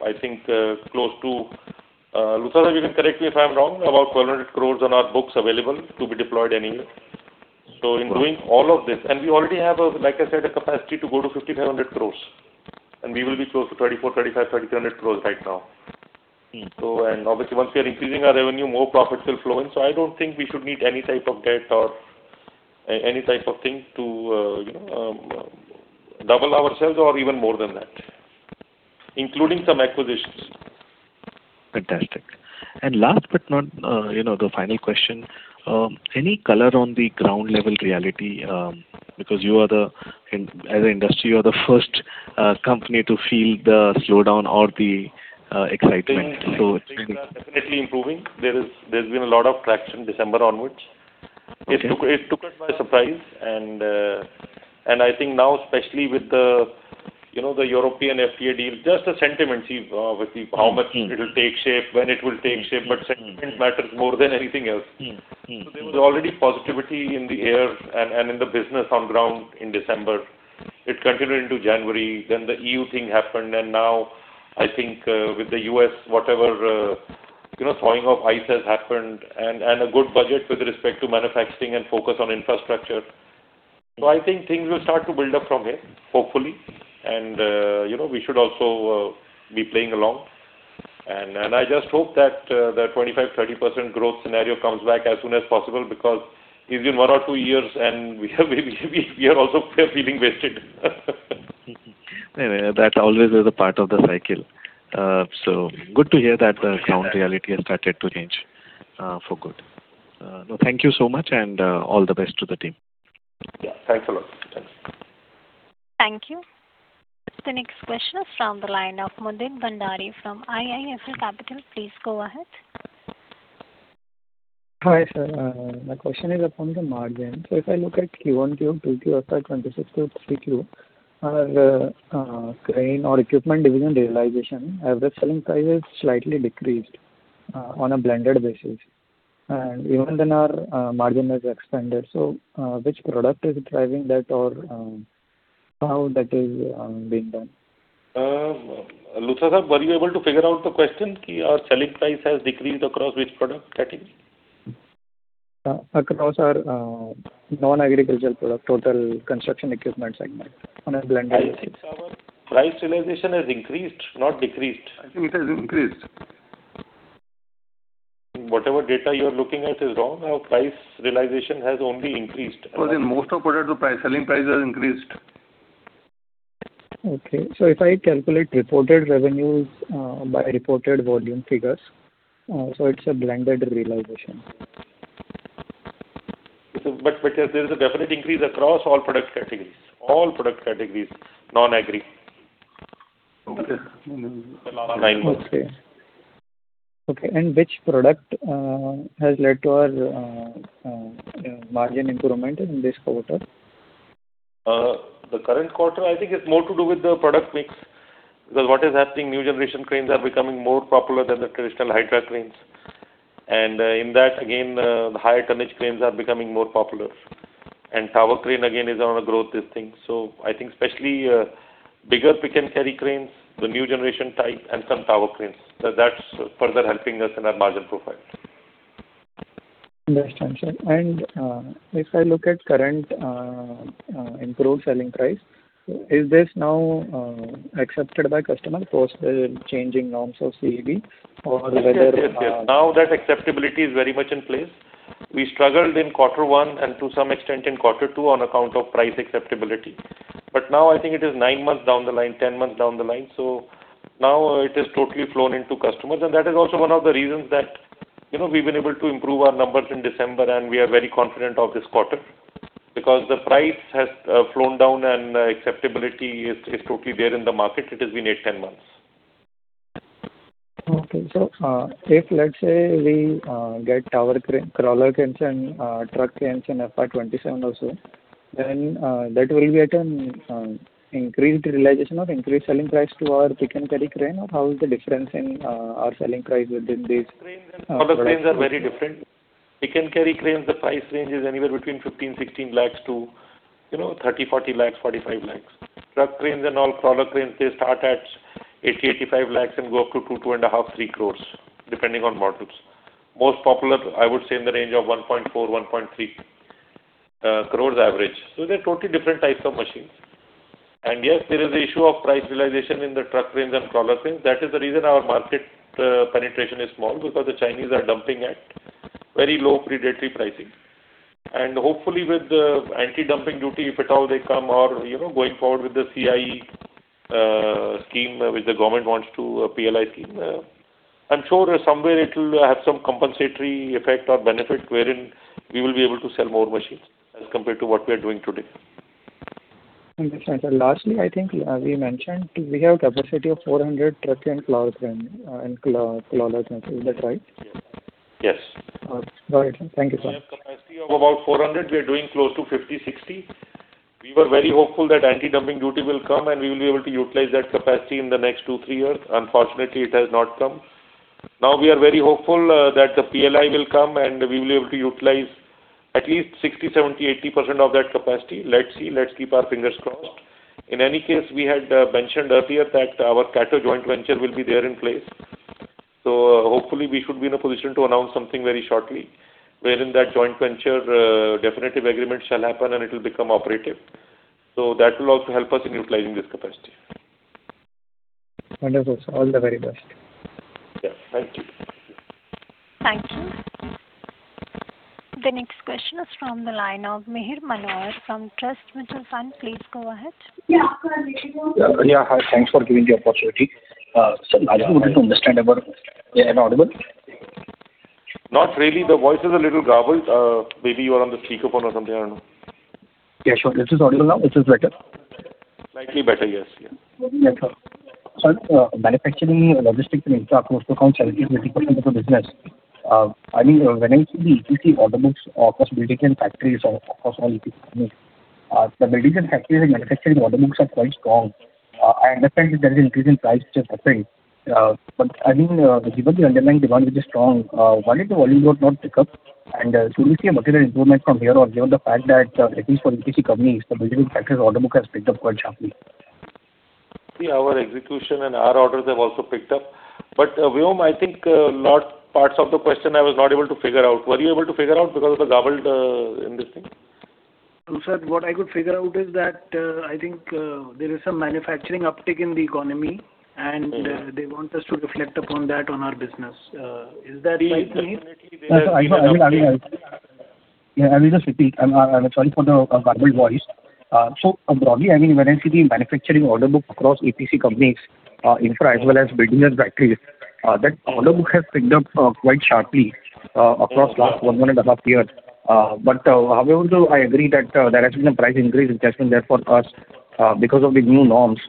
I think, close to Luthra, you can correct me if I'm wrong, about 1,200 croress on our books available to be deployed anywhere. Right. So in doing all of this, and we already have a, like I said, a capacity to go to 5,700 crore, and we will be close to 24,000 crore, 25,000 crore, 30,000 crores right now. Mm. So, and obviously, once we are increasing our revenue, more profits will flow in. So I don't think we should need any type of debt or any type of thing to, you know, double ourselves or even more than that, including some acquisitions. Fantastic. Last but not you know, the final question, any color on the ground level reality? Because you are the, as an industry, you are the first company to feel the slowdown or the excitement. So- Things are definitely improving. There's been a lot of traction December onwards. It took us by surprise, and I think now, especially with the, you know, the European FTA deal, just the sentiment, see, Vyom, how much it will take shape, when it will take shape, but sentiment matters more than anything else. Mm-hmm. Mm-hmm. So there was already positivity in the air and in the business on ground in December. It continued into January, then the E.U. thing happened, and now I think, with the U.S., whatever, you know, thawing of ice has happened and a good budget with respect to manufacturing and focus on infrastructure. So I think things will start to build up from here, hopefully, and, you know, we should also be playing along. And I just hope that the 25-30% growth scenario comes back as soon as possible, because it's been one or two years and we are also feeling wasted. Anyway, that always is a part of the cycle. So good to hear that the ground reality has started to change, for good. Thank you so much, and all the best to the team. Yeah. Thanks a lot. Thanks. Thank you. The next question is from the line of Mudit Bhandari from IIFL Capital. Please go ahead. Hi, sir. My question is upon the margin. So if I look at Q1, Q2, Q3 FY26 to Q3, crane or equipment division realization, average selling price has slightly decreased on a blended basis. And even then, our margin has expanded. So, which product is driving that or, how that is being done? Luthra Saab, were you able to figure out the question, ki our selling price has decreased across which product category? Across our non-agricultural product, total construction equipment segment on a blended basis. Price realization has increased, not decreased. I think it has increased. Whatever data you are looking at is wrong. Our price realization has only increased. Well, in most of products, the price, selling price has increased. Okay. So if I calculate reported revenues by reported volume figures, so it's a blended realization. But there is a definite increase across all product categories. All product categories, non-agri. Okay. Mm-hmm. The last nine months. Okay. Okay, and which product has led to our margin improvement in this quarter? The current quarter, I think it's more to do with the product mix, because what is happening, new generation cranes are becoming more popular than the traditional Hydra cranes. And, in that, again, the higher tonnage cranes are becoming more popular. And tower crane again is on a growth this thing. So I think especially, bigger pick-and-carry cranes, the new generation type, and some tower cranes. So that's further helping us in our margin profile. Understood, sir. If I look at current improved selling price, is this now accepted by customer post the changing norms of CEV or whether- Yes, yes, yes. Now that acceptability is very much in place. We struggled in quarter one and to some extent in quarter two on account of price acceptability. But now I think it is 9 months down the line, 10 months down the line, so now it is totally flown into customers. And that is also one of the reasons that, you know, we've been able to improve our numbers in December, and we are very confident of this quarter. Because the price has flown down and acceptability is, is totally there in the market. It has been 8, 10 months. Okay. So, if let's say we get tower crane, crawler cranes and truck cranes in FY27 also, then that will be at an increased realization or increased selling price to our pick-and-carry crane, or how is the difference in our selling price within these? Cranes and crawler cranes are very different. Pick-and-carry cranes, the price range is anywhere between 15-16 lakhs to, you know, 30-40 lakhs, 45 lakhs. Truck cranes and all crawler cranes, they start at 80-85 lakhs and go up to 2, 2.5, 3 crores, depending on models. Most popular, I would say in the range of 1.4, 1.3 crores average. So they're totally different types of machines. And yes, there is the issue of price realization in the truck cranes and crawler cranes. That is the reason our market penetration is small, because the Chinese are dumping at very low predatory pricing. And hopefully with the anti-dumping duty, if at all they come or, you know, going forward with the CIE scheme, which the government wants to, PLI scheme, I'm sure somewhere it will have some compensatory effect or benefit wherein we will be able to sell more machines as compared to what we are doing today. Understood, sir. Lastly, I think we mentioned we have capacity of 400 truck and crawler cranes, and crawler cranes. Is that right? Yes. Got it. Thank you, sir. We have capacity of about 400. We are doing close to 50, 60. We were very hopeful that anti-dumping duty will come, and we will be able to utilize that capacity in the next 2, 3 years. Unfortunately, it has not come. Now, we are very hopeful that the PLI will come, and we will be able to utilize at least 60, 70, 80% of that capacity. Let's see. Let's keep our fingers crossed. In any case, we had mentioned earlier that our Caterpillar joint venture will be there in place. So hopefully we should be in a position to announce something very shortly, wherein that joint venture definitive agreement shall happen and it will become operative. So that will also help us in utilizing this capacity. Wonderful, sir. All the very best. Yeah. Thank you. Thank you. The next question is from the line of Mihir Manohar from Trust Mutual Fund. Please go ahead. Yeah, hi. Thanks for giving the opportunity. Sir, I wanted to understand about. Am I audible? Not really. The voice is a little garbled. Maybe you are on the speakerphone or something, I don't know. Yeah, sure. This is audible now? This is better? .Slightly better, yes, yes. Sir, manufacturing, logistics and infra close to account 70%-80% of the business. I mean, when I see the EPC order books across building and factories, across all EPC companies, the buildings and factories and manufacturing order books are quite strong. I understand that there is an increase in price which is happening, but I mean, given the underlying demand which is strong, why did the volume not, not pick up? And, should we see a material improvement from here on, given the fact that, at least for EPC companies, the building and factories order book has picked up quite sharply. See, our execution and our orders have also picked up. But, Vyom, I think, large parts of the question I was not able to figure out. Were you able to figure out because it was garbled, in this thing? Sir, what I could figure out is that, I think, there is some manufacturing uptick in the economy, and- Mm-hmm. They want us to reflect upon that on our business. Is that right? Yeah, I will just repeat. I'm sorry for the garbled voice. So broadly, I mean, when I see the manufacturing order book across EPC companies, infra as well as buildings and factories, that order book has picked up quite sharply across last one and a half year. But however, though, I agree that there has been a price increase which has been there for us because of the new norms,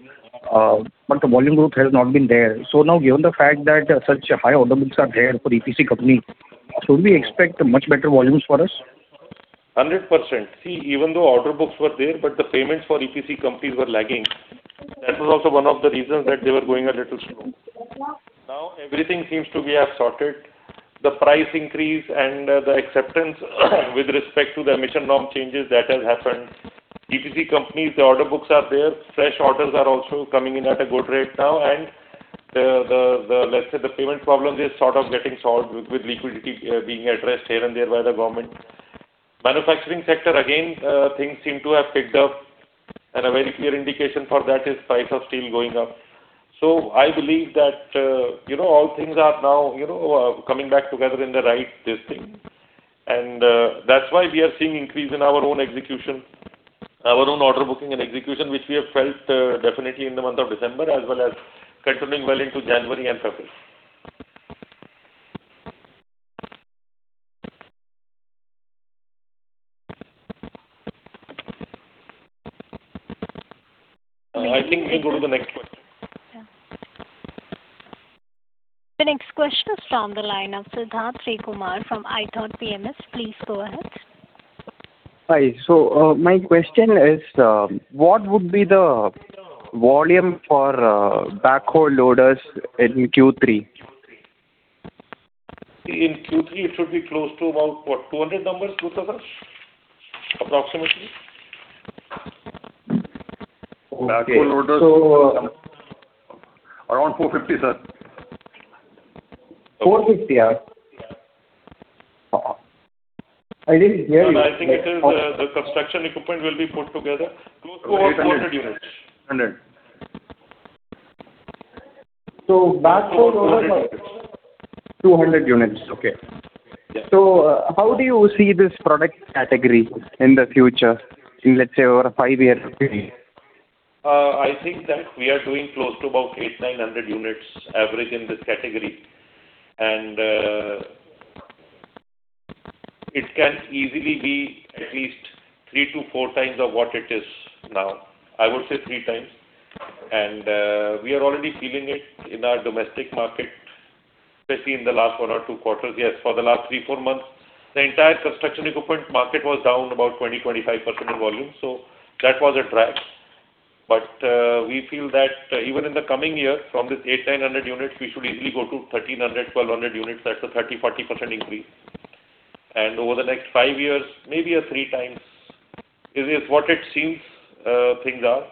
but the volume growth has not been there. So now, given the fact that such high order books are there for EPC company, should we expect much better volumes for us? 100%. See, even though order books were there, but the payments for EPC companies were lagging. That was also one of the reasons that they were going a little slow. Now, everything seems to be have sorted. The price increase and the acceptance, with respect to the emission norm changes that has happened. EPC companies, the order books are there. Fresh orders are also coming in at a good rate now, and the, let's say, the payment problems is sort of getting solved with liquidity being addressed here and there by the government. Manufacturing sector, again, things seem to have picked up, and a very clear indication for that is price of steel going up. So I believe that, you know, all things are now, you know, coming back together in the right, this thing. That's why we are seeing increase in our own execution, our own order booking and execution, which we have felt definitely in the month of December, as well as continuing well into January and February. I think we go to the next question. The next question is from the line of Siddharth Sreekumar from ithought PMS. Please go ahead. Hi. My question is, what would be the volume for backhoe loaders in Q3? In Q3, it should be close to about, what, 200 numbers, Rutakarsh, approximately? Backhoe loaders. Around 4:50, sir. 450, yeah. I didn't hear you- No, I think it is, the construction equipment will be put together. Close to 400 units. Hundred. Backhoe Loaders- 200 units. 200 units. Okay. Yeah. How do you see this product category in the future, in, let's say, over a five-year period? I think that we are doing close to about 800-900 units average in this category. It can easily be at least 3-4 times of what it is now. I would say 3 times. We are already feeling it in our domestic market, especially in the last 1 or 2 quarters. Yes, for the last 3-4 months, the entire construction equipment market was down about 20%-25% in volume, so that was a drag. But we feel that even in the coming year, from this 800-900 units, we should easily go to 1,300, 1,200 units. That's a 30-40% increase. Over the next 5 years, maybe a 3 times is what it seems things are.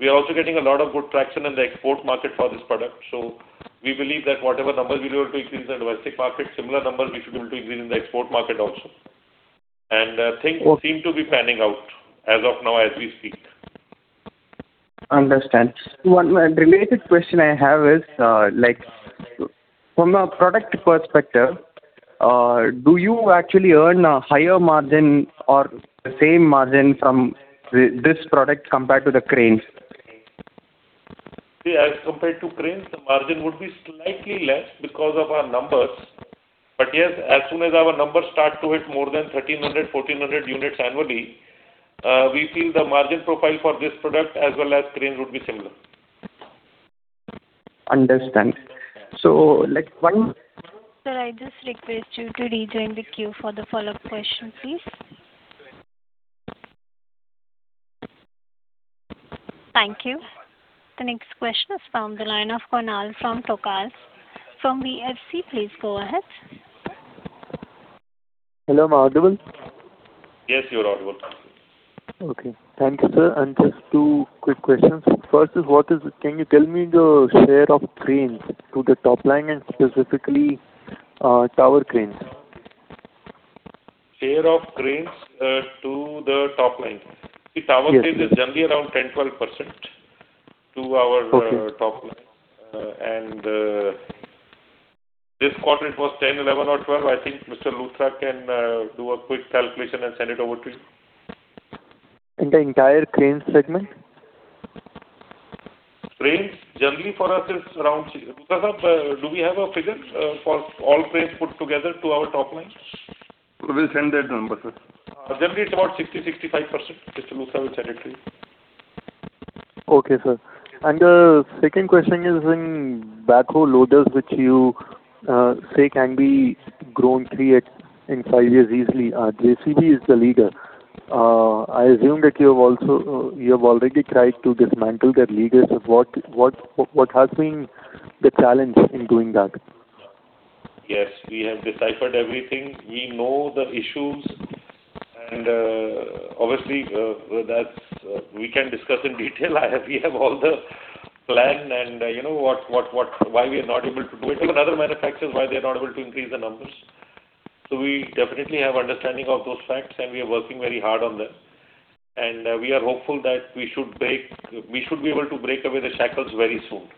We are also getting a lot of good traction in the export market for this product, so we believe that whatever numbers we are able to increase in the domestic market, similar numbers we should be able to increase in the export market also. And, things- Okay. seem to be panning out as of now as we speak. Understand. One related question I have is, like, from a product perspective, do you actually earn a higher margin or the same margin from this product compared to the cranes? See, as compared to cranes, the margin would be slightly less because of our numbers. But yes, as soon as our numbers start to hit more than 1,300, 1,400 units annually, we feel the margin profile for this product as well as cranes would be similar. Understand. So like one- Sir, I just request you to rejoin the queue for the follow-up question, please. Thank you. The next question is from the line of Kunal Tokas from BFC. Please go ahead. Hello, am I audible? Yes, you're audible. Okay. Thank you, sir. Just two quick questions. First is, what is. Can you tell me the share of cranes to the top line and specifically, tower cranes? Share of cranes to the top line. Yes. The tower cranes is generally around 10%-12% to our- Okay top line. This quarter it was 10, 11 or 12. I think Mr. Luthra can do a quick calculation and send it over to you. In the entire cranes segment? .range generally for us is around, Luthra, sir, do we have a figure for all trades put together to our top line? We'll send that number, sir. Generally, it's about 60%-65%, as Luthra said it to you. Okay, sir. And the second question is in backhoe loaders, which you say can be grown, create in five years easily. JCB is the leader. I assume that you have also, you have already tried to dismantle that leader. So what, what, what has been the challenge in doing that? Yes, we have deciphered everything. We know the issues, and, obviously, that's, we can discuss in detail. We have all the plan, and, you know, why we are not able to do it, and other manufacturers, why they are not able to increase the numbers. So we definitely have understanding of those facts, and we are working very hard on them. And, we are hopeful that we should be able to break away the shackles very soon.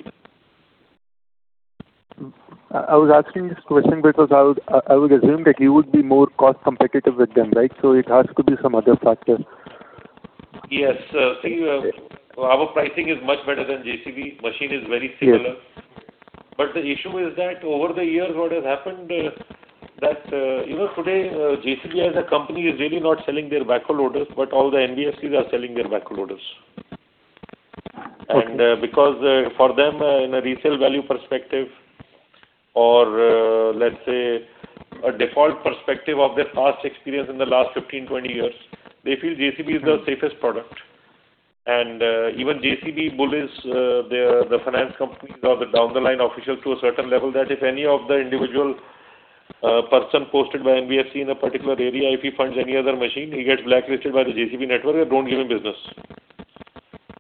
I was asking this question because I would assume that you would be more cost competitive with them, right? So it has to be some other factor. Yes, sir. So our pricing is much better than JCB. Machine is very similar. Yes. But the issue is that over the years, what has happened is that, you know, today, JCB as a company is really not selling their backhoe loaders, but all the NBFCs are selling their backhoe loaders. Okay. Because for them, in a resale value perspective or, let's say, a default perspective of their past experience in the last 15, 20 years, they feel JCB is the safest product. Even JCB bullies the finance companies or the down the line official to a certain level, that if any individual person posted by NBFC in a particular area, if he finds any other machine, he gets blacklisted by the JCB network, they don't give him business.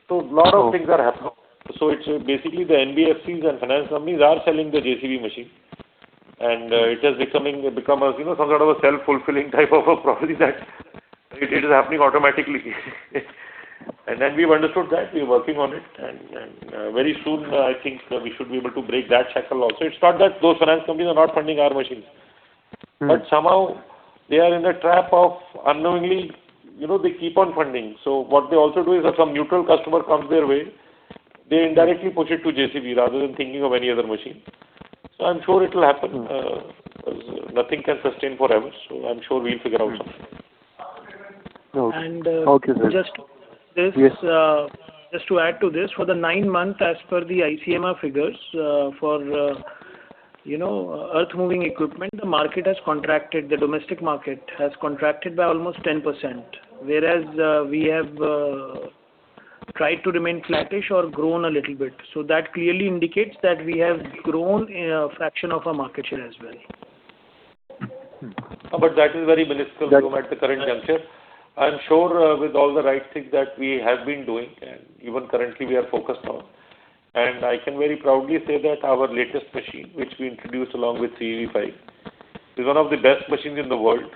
So a lot of things are happening. So it's basically the NBFCs and finance companies are selling the JCB machine, and it is becoming a, you know, some sort of a self-fulfilling type of a property that it is happening automatically. And then we've understood that, we're working on it, and very soon, I think we should be able to break that shackle also. It's not that those finance companies are not funding our machines. Mm-hmm. But somehow they are in a trap of unknowingly, you know, they keep on funding. So what they also do is, if some neutral customer comes their way, they indirectly push it to JCB rather than thinking of any other machine. So I'm sure it will happen. Mm. Nothing can sustain forever, so I'm sure we'll figure out something. Okay. And, uh- Okay, sir. Just this- Yes. Just to add to this, for the nine months, as per the ICEMA figures, for, you know, earth moving equipment, the market has contracted, the domestic market has contracted by almost 10%, whereas, we have tried to remain flattish or grown a little bit. So that clearly indicates that we have grown a fraction of our market share as well. But that is very minuscule- That- At the current juncture, I'm sure with all the right things that we have been doing, and even currently we are focused on, and I can very proudly say that our latest machine, which we introduced along with CEV-V, is one of the best machines in the world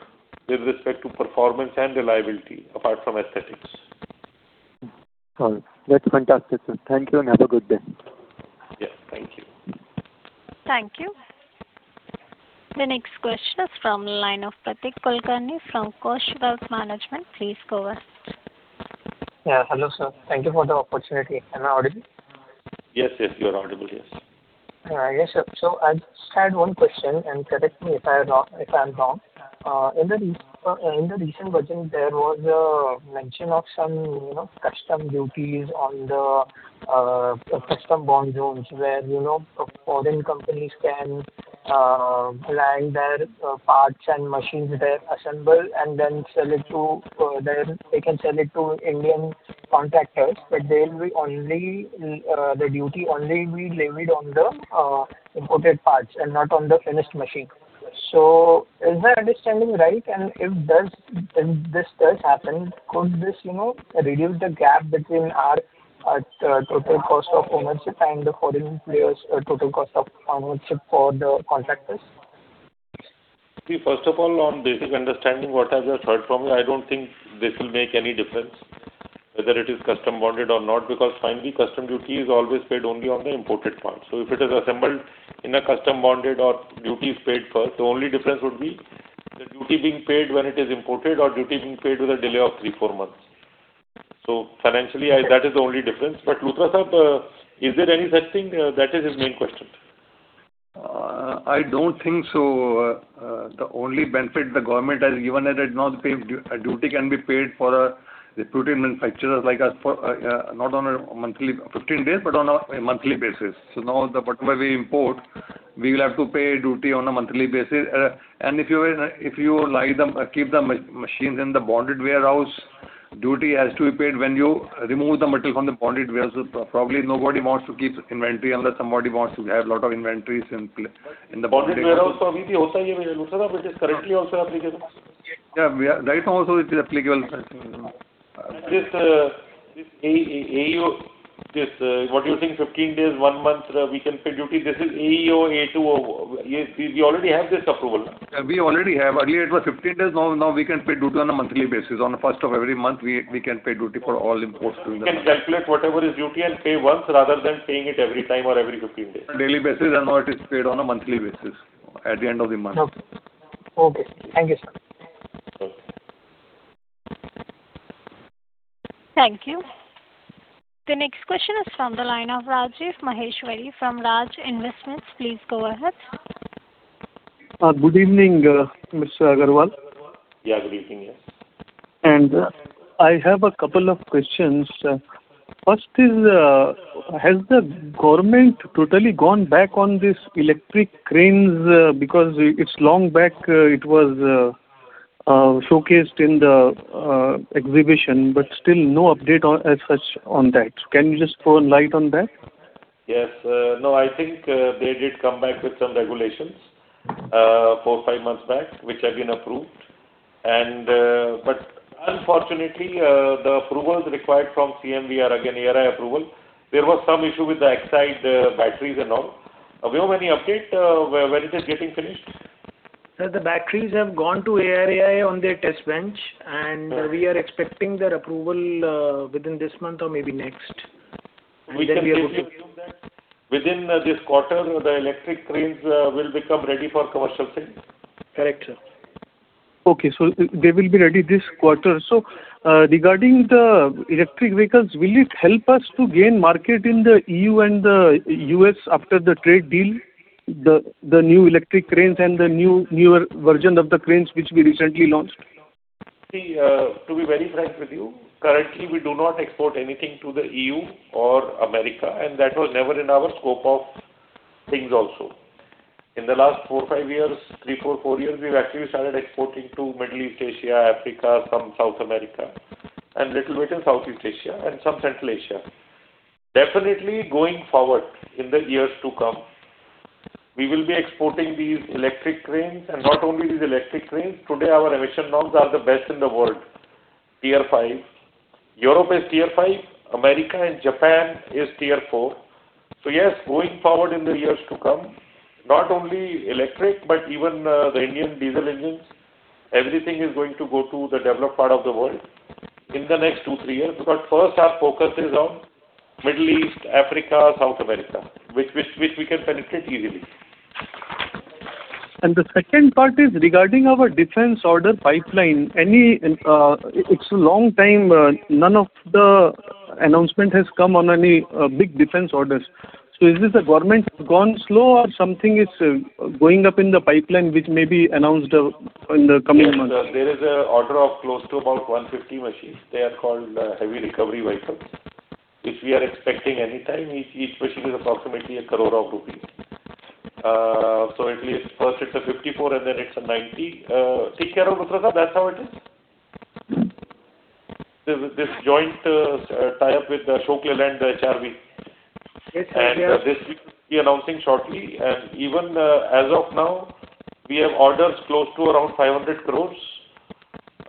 with respect to performance and reliability, apart from aesthetics. All right. That's fantastic, sir. Thank you, and have a good day. Yes, thank you. Thank you. The next question is from the line of Prateek Kulkarni from Kosh Wealth Management. Please go ahead. Yeah, hello, sir. Thank you for the opportunity. Am I audible? Yes, yes, you are audible, yes. Yes, sir. So I just had one question, and correct me if I are wrong, if I am wrong. In the recent version, there was a mention of some, you know, customs duties on the customs bonded zones, where, you know, foreign companies can fly in their parts and machines there, assemble, and then sell it to, then they can sell it to Indian contractors, but they will be only the duty only will be levied on the imported parts and not on the finished machine. So is my understanding right? And if does, if this does happen, could this, you know, reduce the gap between our total cost of ownership and the foreign players' total cost of ownership for the contractors? First of all, on basic understanding, what I just heard from you, I don't think this will make any difference whether it is customs bonded or not, because finally, customs duty is always paid only on the imported parts. So if it is assembled in a customs bonded or duty is paid first, the only difference would be the duty being paid when it is imported or duty being paid with a delay of three, four months. So financially, that is the only difference. But Luthra, sir, is there any such thing? That is his main question. I don't think so. The only benefit the government has given is that now the pay duty can be paid for the put in manufacturers like us, not on a monthly, 15 days, but on a monthly basis. So now the, whatever we import, we will have to pay duty on a monthly basis. And if you were, if you like the, keep the machines in the bonded warehouse, duty has to be paid when you remove the material from the bonded warehouse. So probably nobody wants to keep inventory, unless somebody wants to have a lot of inventories in the bonded warehouse. Warehouse also, Luthra, which is currently also applicable. Yeah, we are, right now also it is applicable. This AEO, what do you think, 15 days, one month, we can pay duty. This is AEO, A2O. We already have this approval, na? We already have. Earlier it was 15 days; now we can pay duty on a monthly basis. On the first of every month, we can pay duty for all imports to India. We can calculate whatever is duty and pay once, rather than paying it every time or every 15 days. On a daily basis, and now it is paid on a monthly basis, at the end of the month. Okay. Thank you, sir. Okay. .Thank you. The next question is from the line of Rajiv Maheshwari from Raj Investments. Please go ahead. Good evening, Mr. Agarwal. Yeah, good evening. I have a couple of questions. First is, has the government totally gone back on this electric cranes, because it's long back, it was showcased in the exhibition, but still no update on as such on that. Can you just throw a light on that? Yes. No, I think they did come back with some regulations 4-5 months back, which have been approved. But unfortunately, the approvals required from CMVR, again, ARAI approval, there was some issue with the Exide batteries and all. We have any update where, when it is getting finished? Sir, the batteries have gone to ARAI on their test bench, and we are expecting their approval within this month or maybe next. Then we are good to- We can safely assume that within this quarter, the electric cranes will become ready for commercial sale? Correct, sir. Okay, so they, they will be ready this quarter. So, regarding the electric vehicles, will it help us to gain market in the E.U. and the U.S. after the trade deal, the, the new electric cranes and the new, newer version of the cranes which we recently launched? See, to be very frank with you, currently, we do not export anything to the EU or America, and that was never in our scope of things also. In the last 4, 5 years, 3, 4, 4 years, we've actually started exporting to Middle East Asia, Africa, some South America, and little bit in Southeast Asia and some Central Asia. Definitely, going forward in the years to come, we will be exporting these electric cranes, and not only these electric cranes, today, our emission norms are the best in the world, Tier 5. Europe is Tier 5, America and Japan is Tier 4. So yes, going forward in the years to come, not only electric, but even, the Indian diesel engines, everything is going to go to the developed part of the world in the next 2, 3 years. But first, our focus is on Middle East, Africa, South America, which we can penetrate easily. The second part is regarding our defense order pipeline. Anyway, it's a long time, none of the announcement has come on any big defense orders. So is this the government gone slow or something is going up in the pipeline, which may be announced in the coming months? Yes, sir, there is a order of close to about 150 machines. They are called heavy recovery vehicles, which we are expecting anytime. Each, each machine is approximately 1 crore rupees. So at least first it's a 54, and then it's a 90. Take care of Utraza, that's how it is? This, this joint tie-up with Ashok Leyland, HRV. Yes, sir. This we'll be announcing shortly. And even, as of now, we have orders close to around 500 crores,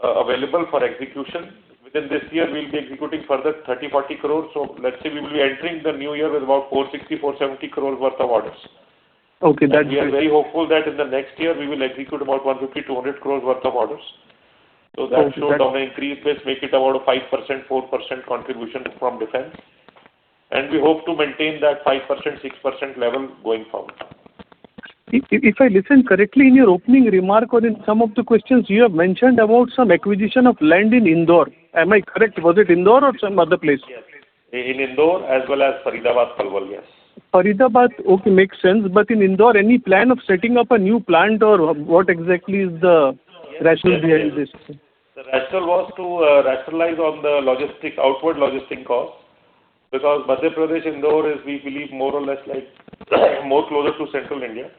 available for execution. Within this year, we'll be executing further 30-40 crores. So let's say we will be entering the new year with about 460-470 crores worth of orders. Okay, that- We are very hopeful that in the next year, we will execute about 150 crores-200 crores worth of orders. Thank you. So that should increase this, make it about a 5%-4% contribution from defense. And we hope to maintain that 5%-6% level going forward. If I listen correctly, in your opening remark or in some of the questions, you have mentioned about some acquisition of land in Indore. Am I correct? Was it Indore or some other place? Yes. In Indore as well as Faridabad, Palwal, yes. Faridabad, okay, makes sense. But in Indore, any plan of setting up a new plant or what exactly is the rationale behind this? The rationale was to rationalize on the logistics outward logistics cost, because Madhya Pradesh, Indore, is we believe, more or less like, more closer to central India.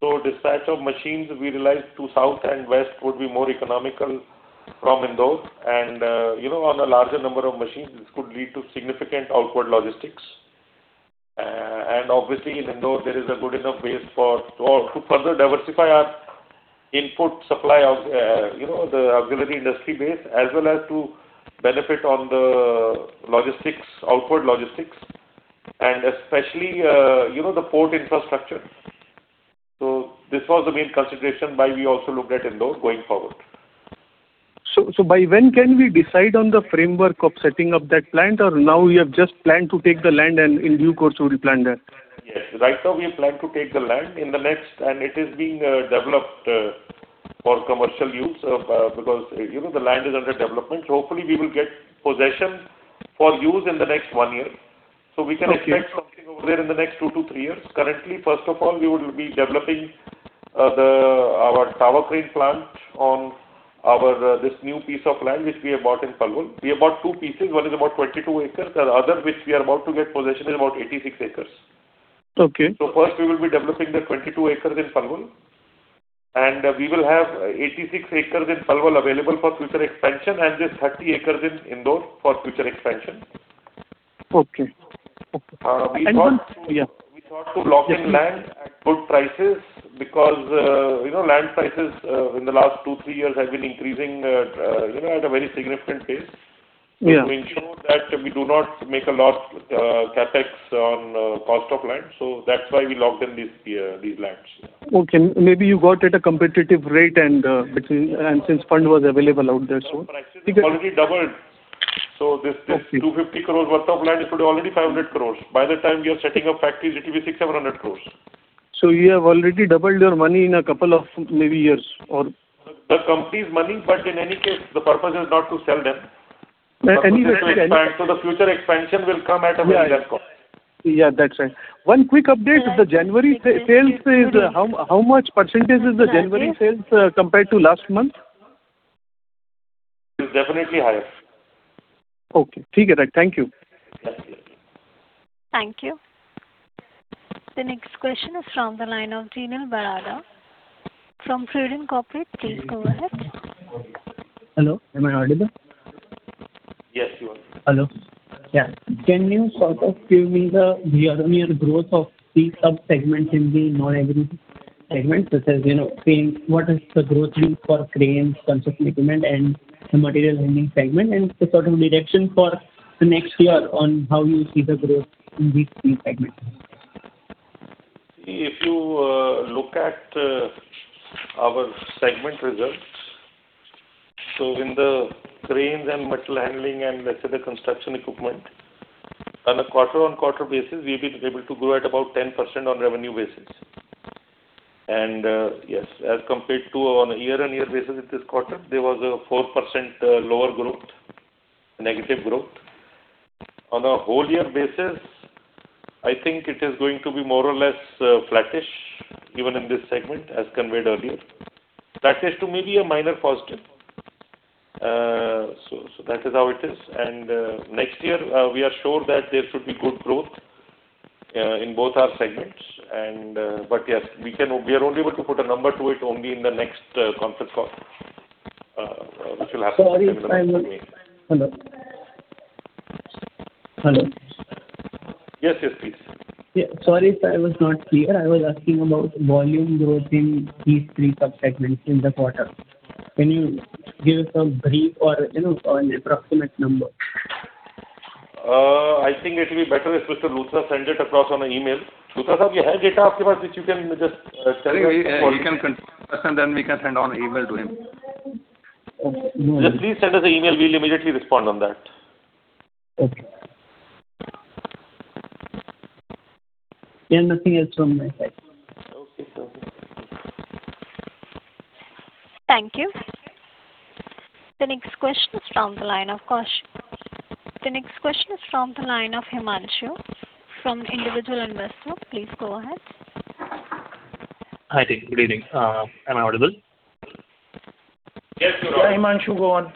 So dispatch of machines, we realized, to south and west would be more economical from Indore. And, you know, on a larger number of machines, this could lead to significant outward logistics. And obviously, in Indore, there is a good enough base for. To, to further diversify our input supply of, you know, the auxiliary industry base, as well as to benefit on the logistics, outward logistics, and especially, you know, the port infrastructure. So this was the main consideration why we also looked at Indore going forward. By when can we decide on the framework of setting up that plant, or now you have just planned to take the land and in due course will plan that? Yes. Right now, we have planned to take the land in the next. It is being developed for commercial use because, you know, the land is under development. So hopefully, we will get possession for use in the next one year. Okay. So we can expect something over there in the next 2-3 years. Currently, first of all, we would be developing our tower crane plant on our this new piece of land, which we have bought in Palwal. We have bought two pieces, one is about 22 acres, the other, which we are about to get possession, is about 86 acres. Okay. So first, we will be developing the 22 acres in Palwal, and we will have 86 acres in Palwal available for future expansion, and this 30 acres in Indore for future expansion. Okay. Okay. We thought to- Yeah. We thought to lock in land at good prices because, you know, land prices, you know, at a very significant pace. Yeah. To ensure that we do not make a loss, CapEx on cost of land. So that's why we locked in these lands. Okay. Maybe you got at a competitive rate and, between and since fund was available out there, so- So prices already doubled. So this, this 250 crores worth of land is already 500 crore. By the time we are setting up factories, it will be 600 crore-700 crore. You have already doubled your money in a couple of maybe years or? The company's money, but in any case, the purpose is not to sell them. Anyway, any- So the future expansion will come at a very less cost. Yeah, that's right. One quick update, the January sales is, how, how much percentage is the January sales, compared to last month? It's definitely higher. Okay. Thank you. Thank you. The next question is from the line of Teenal Barada from Prudent Corporate. Please go ahead. Hello, am I audible? Yes, you are. Hello. Yeah. Can you sort of give me the year-on-year growth of these sub-segments in the non-agriculture segment, such as, you know, saying what is the growth rate for cranes, construction equipment, and the material handling segment, and the sort of direction for the next year on how you see the growth in these three segments? If you look at our segment results, so in the cranes and material handling and, let's say, the construction equipment, on a quarter-on-quarter basis, we've been able to grow at about 10% on revenue basis. And, yes, as compared to on a year-on-year basis, with this quarter, there was a 4% lower growth, negative growth. On a whole year basis, I think it is going to be more or less, flattish, even in this segment, as conveyed earlier. Flattish to maybe a minor positive. So that is how it is. And, next year, we are sure that there should be good growth in both our segments, and, but, yes, we can-- We are only able to put a number to it only in the next conference call, which will happen- Sorry, I will. Hello? Hello. Yes, yes, please. Yeah, sorry if I was not clear. I was asking about volume growth in these three sub-segments in the quarter. Can you give a brief or, you know, an approximate number? I think it will be better if Mr. Luthra send it across on an email. Luthra, you have data with you, which you can just, send it? He can continue, and then we can send on email to him. Just please send us an email. We'll immediately respond on that. Okay. Yeah, nothing else from my side. Thank you. The next question is from the line of Kaushik. The next question is from the line of Himanshu, from individual investor. Please go ahead. Hi, good evening. Am I audible? Yes, you are. Hi, Himanshu, go on.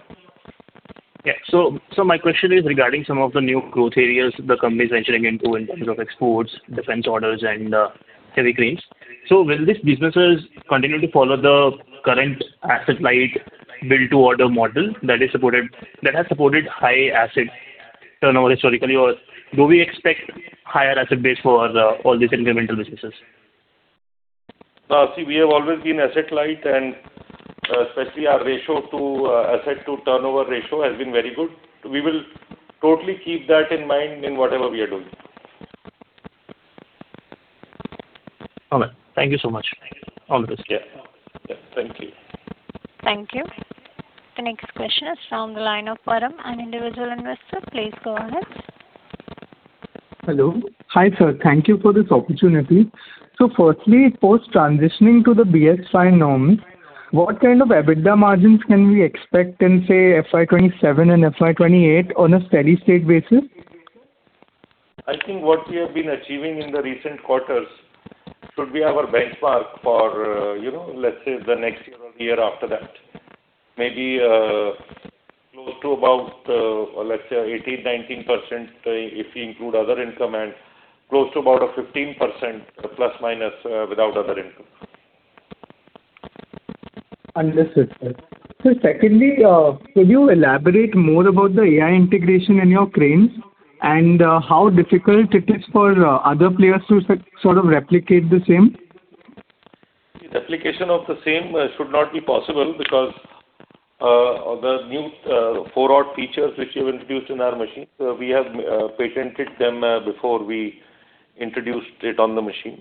Yeah. So, so my question is regarding some of the new growth areas the company is venturing into in terms of exports, defense orders, and heavy cranes. So will these businesses continue to follow the current asset-light build-to-order model that is supported, that has supported high asset turnover historically, or do we expect higher asset base for all these incremental businesses? See, we have always been asset-light, and especially our ratio to asset to turnover ratio has been very good. We will totally keep that in mind in whatever we are doing. All right. Thank you so much. All the best. Yeah. Yeah. Thank you. Thank you. The next question is from the line of Param, an individual investor. Please go ahead. Hello. Hi, sir. Thank you for this opportunity. Firstly, post transitioning to the BS-IV norms, what kind of EBITDA margins can we expect in, say, FY27 and FY28 on a steady-state basis? I think what we have been achieving in the recent quarters should be our benchmark for, you know, let's say, the next year or year after that. Maybe, close to about, let's say, 18%-19%, if we include other income, and close to about a 15% ±, without other income. Understood, sir. So secondly, could you elaborate more about the AI integration in your cranes, and how difficult it is for other players to sort of replicate the same? Replication of the same should not be possible because the new four odd features which we've introduced in our machine, we have patented them before we introduced it on the machine.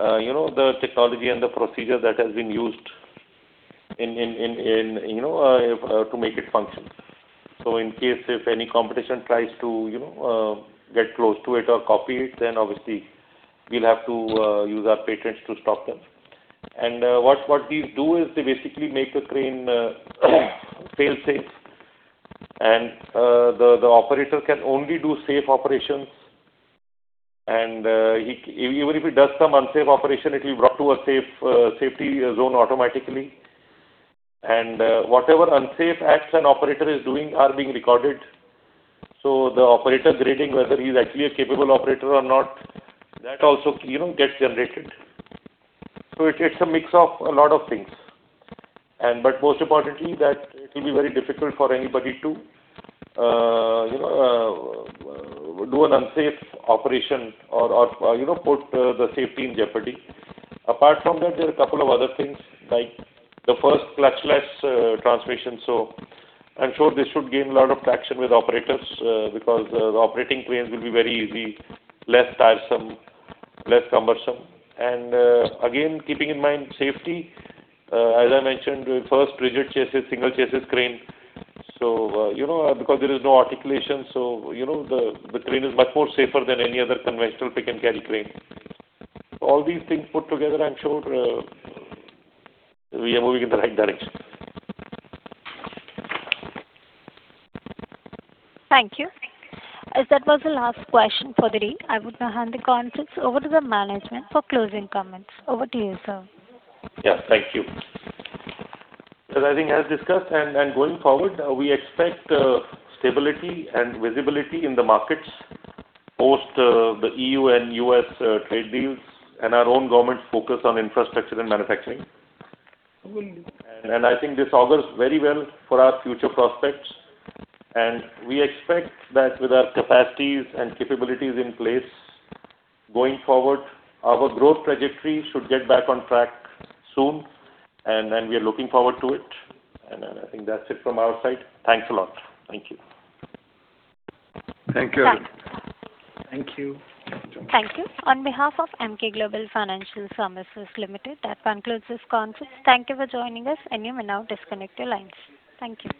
You know, the technology and the procedure that has been used in you know to make it function. So in case if any competition tries to you know get close to it or copy it, then obviously we'll have to use our patents to stop them. And what these do is they basically make the crane fail-safe, and the operator can only do safe operations, and he even if he does some unsafe operation, it will be brought to a safe safety zone automatically. And whatever unsafe acts an operator is doing are being recorded. So the operator's grading, whether he's actually a capable operator or not, that also, you know, gets generated. So it's a mix of a lot of things. But most importantly, that it will be very difficult for anybody to, you know, do an unsafe operation or you know put the safety in jeopardy. Apart from that, there are a couple of other things, like the first clutchless transmission. So I'm sure this should gain a lot of traction with operators because operating cranes will be very easy, less tiresome, less cumbersome. And again, keeping in mind safety, as I mentioned, the first rigid chassis single chassis crane. So you know because there is no articulation, so you know the crane is much more safer than any other conventional pick-and-carry crane. All these things put together, I'm sure, we are moving in the right direction. Thank you. As that was the last question for the day, I would now hand the conference over to the management for closing comments. Over to you, sir. Yeah, thank you. So I think as discussed and, and going forward, we expect stability and visibility in the markets post the EU and US trade deals and our own government's focus on infrastructure and manufacturing. I think this augurs very well for our future prospects. We expect that with our capacities and capabilities in place, going forward, our growth trajectory should get back on track soon, and we are looking forward to it. Then I think that's it from our side. Thanks a lot. Thank you. Thank you. Thanks. Thank you. Thank you. On behalf of Emkay Global Financial Services Limited, that concludes this conference. Thank you for joining us, and you may now disconnect your lines. Thank you.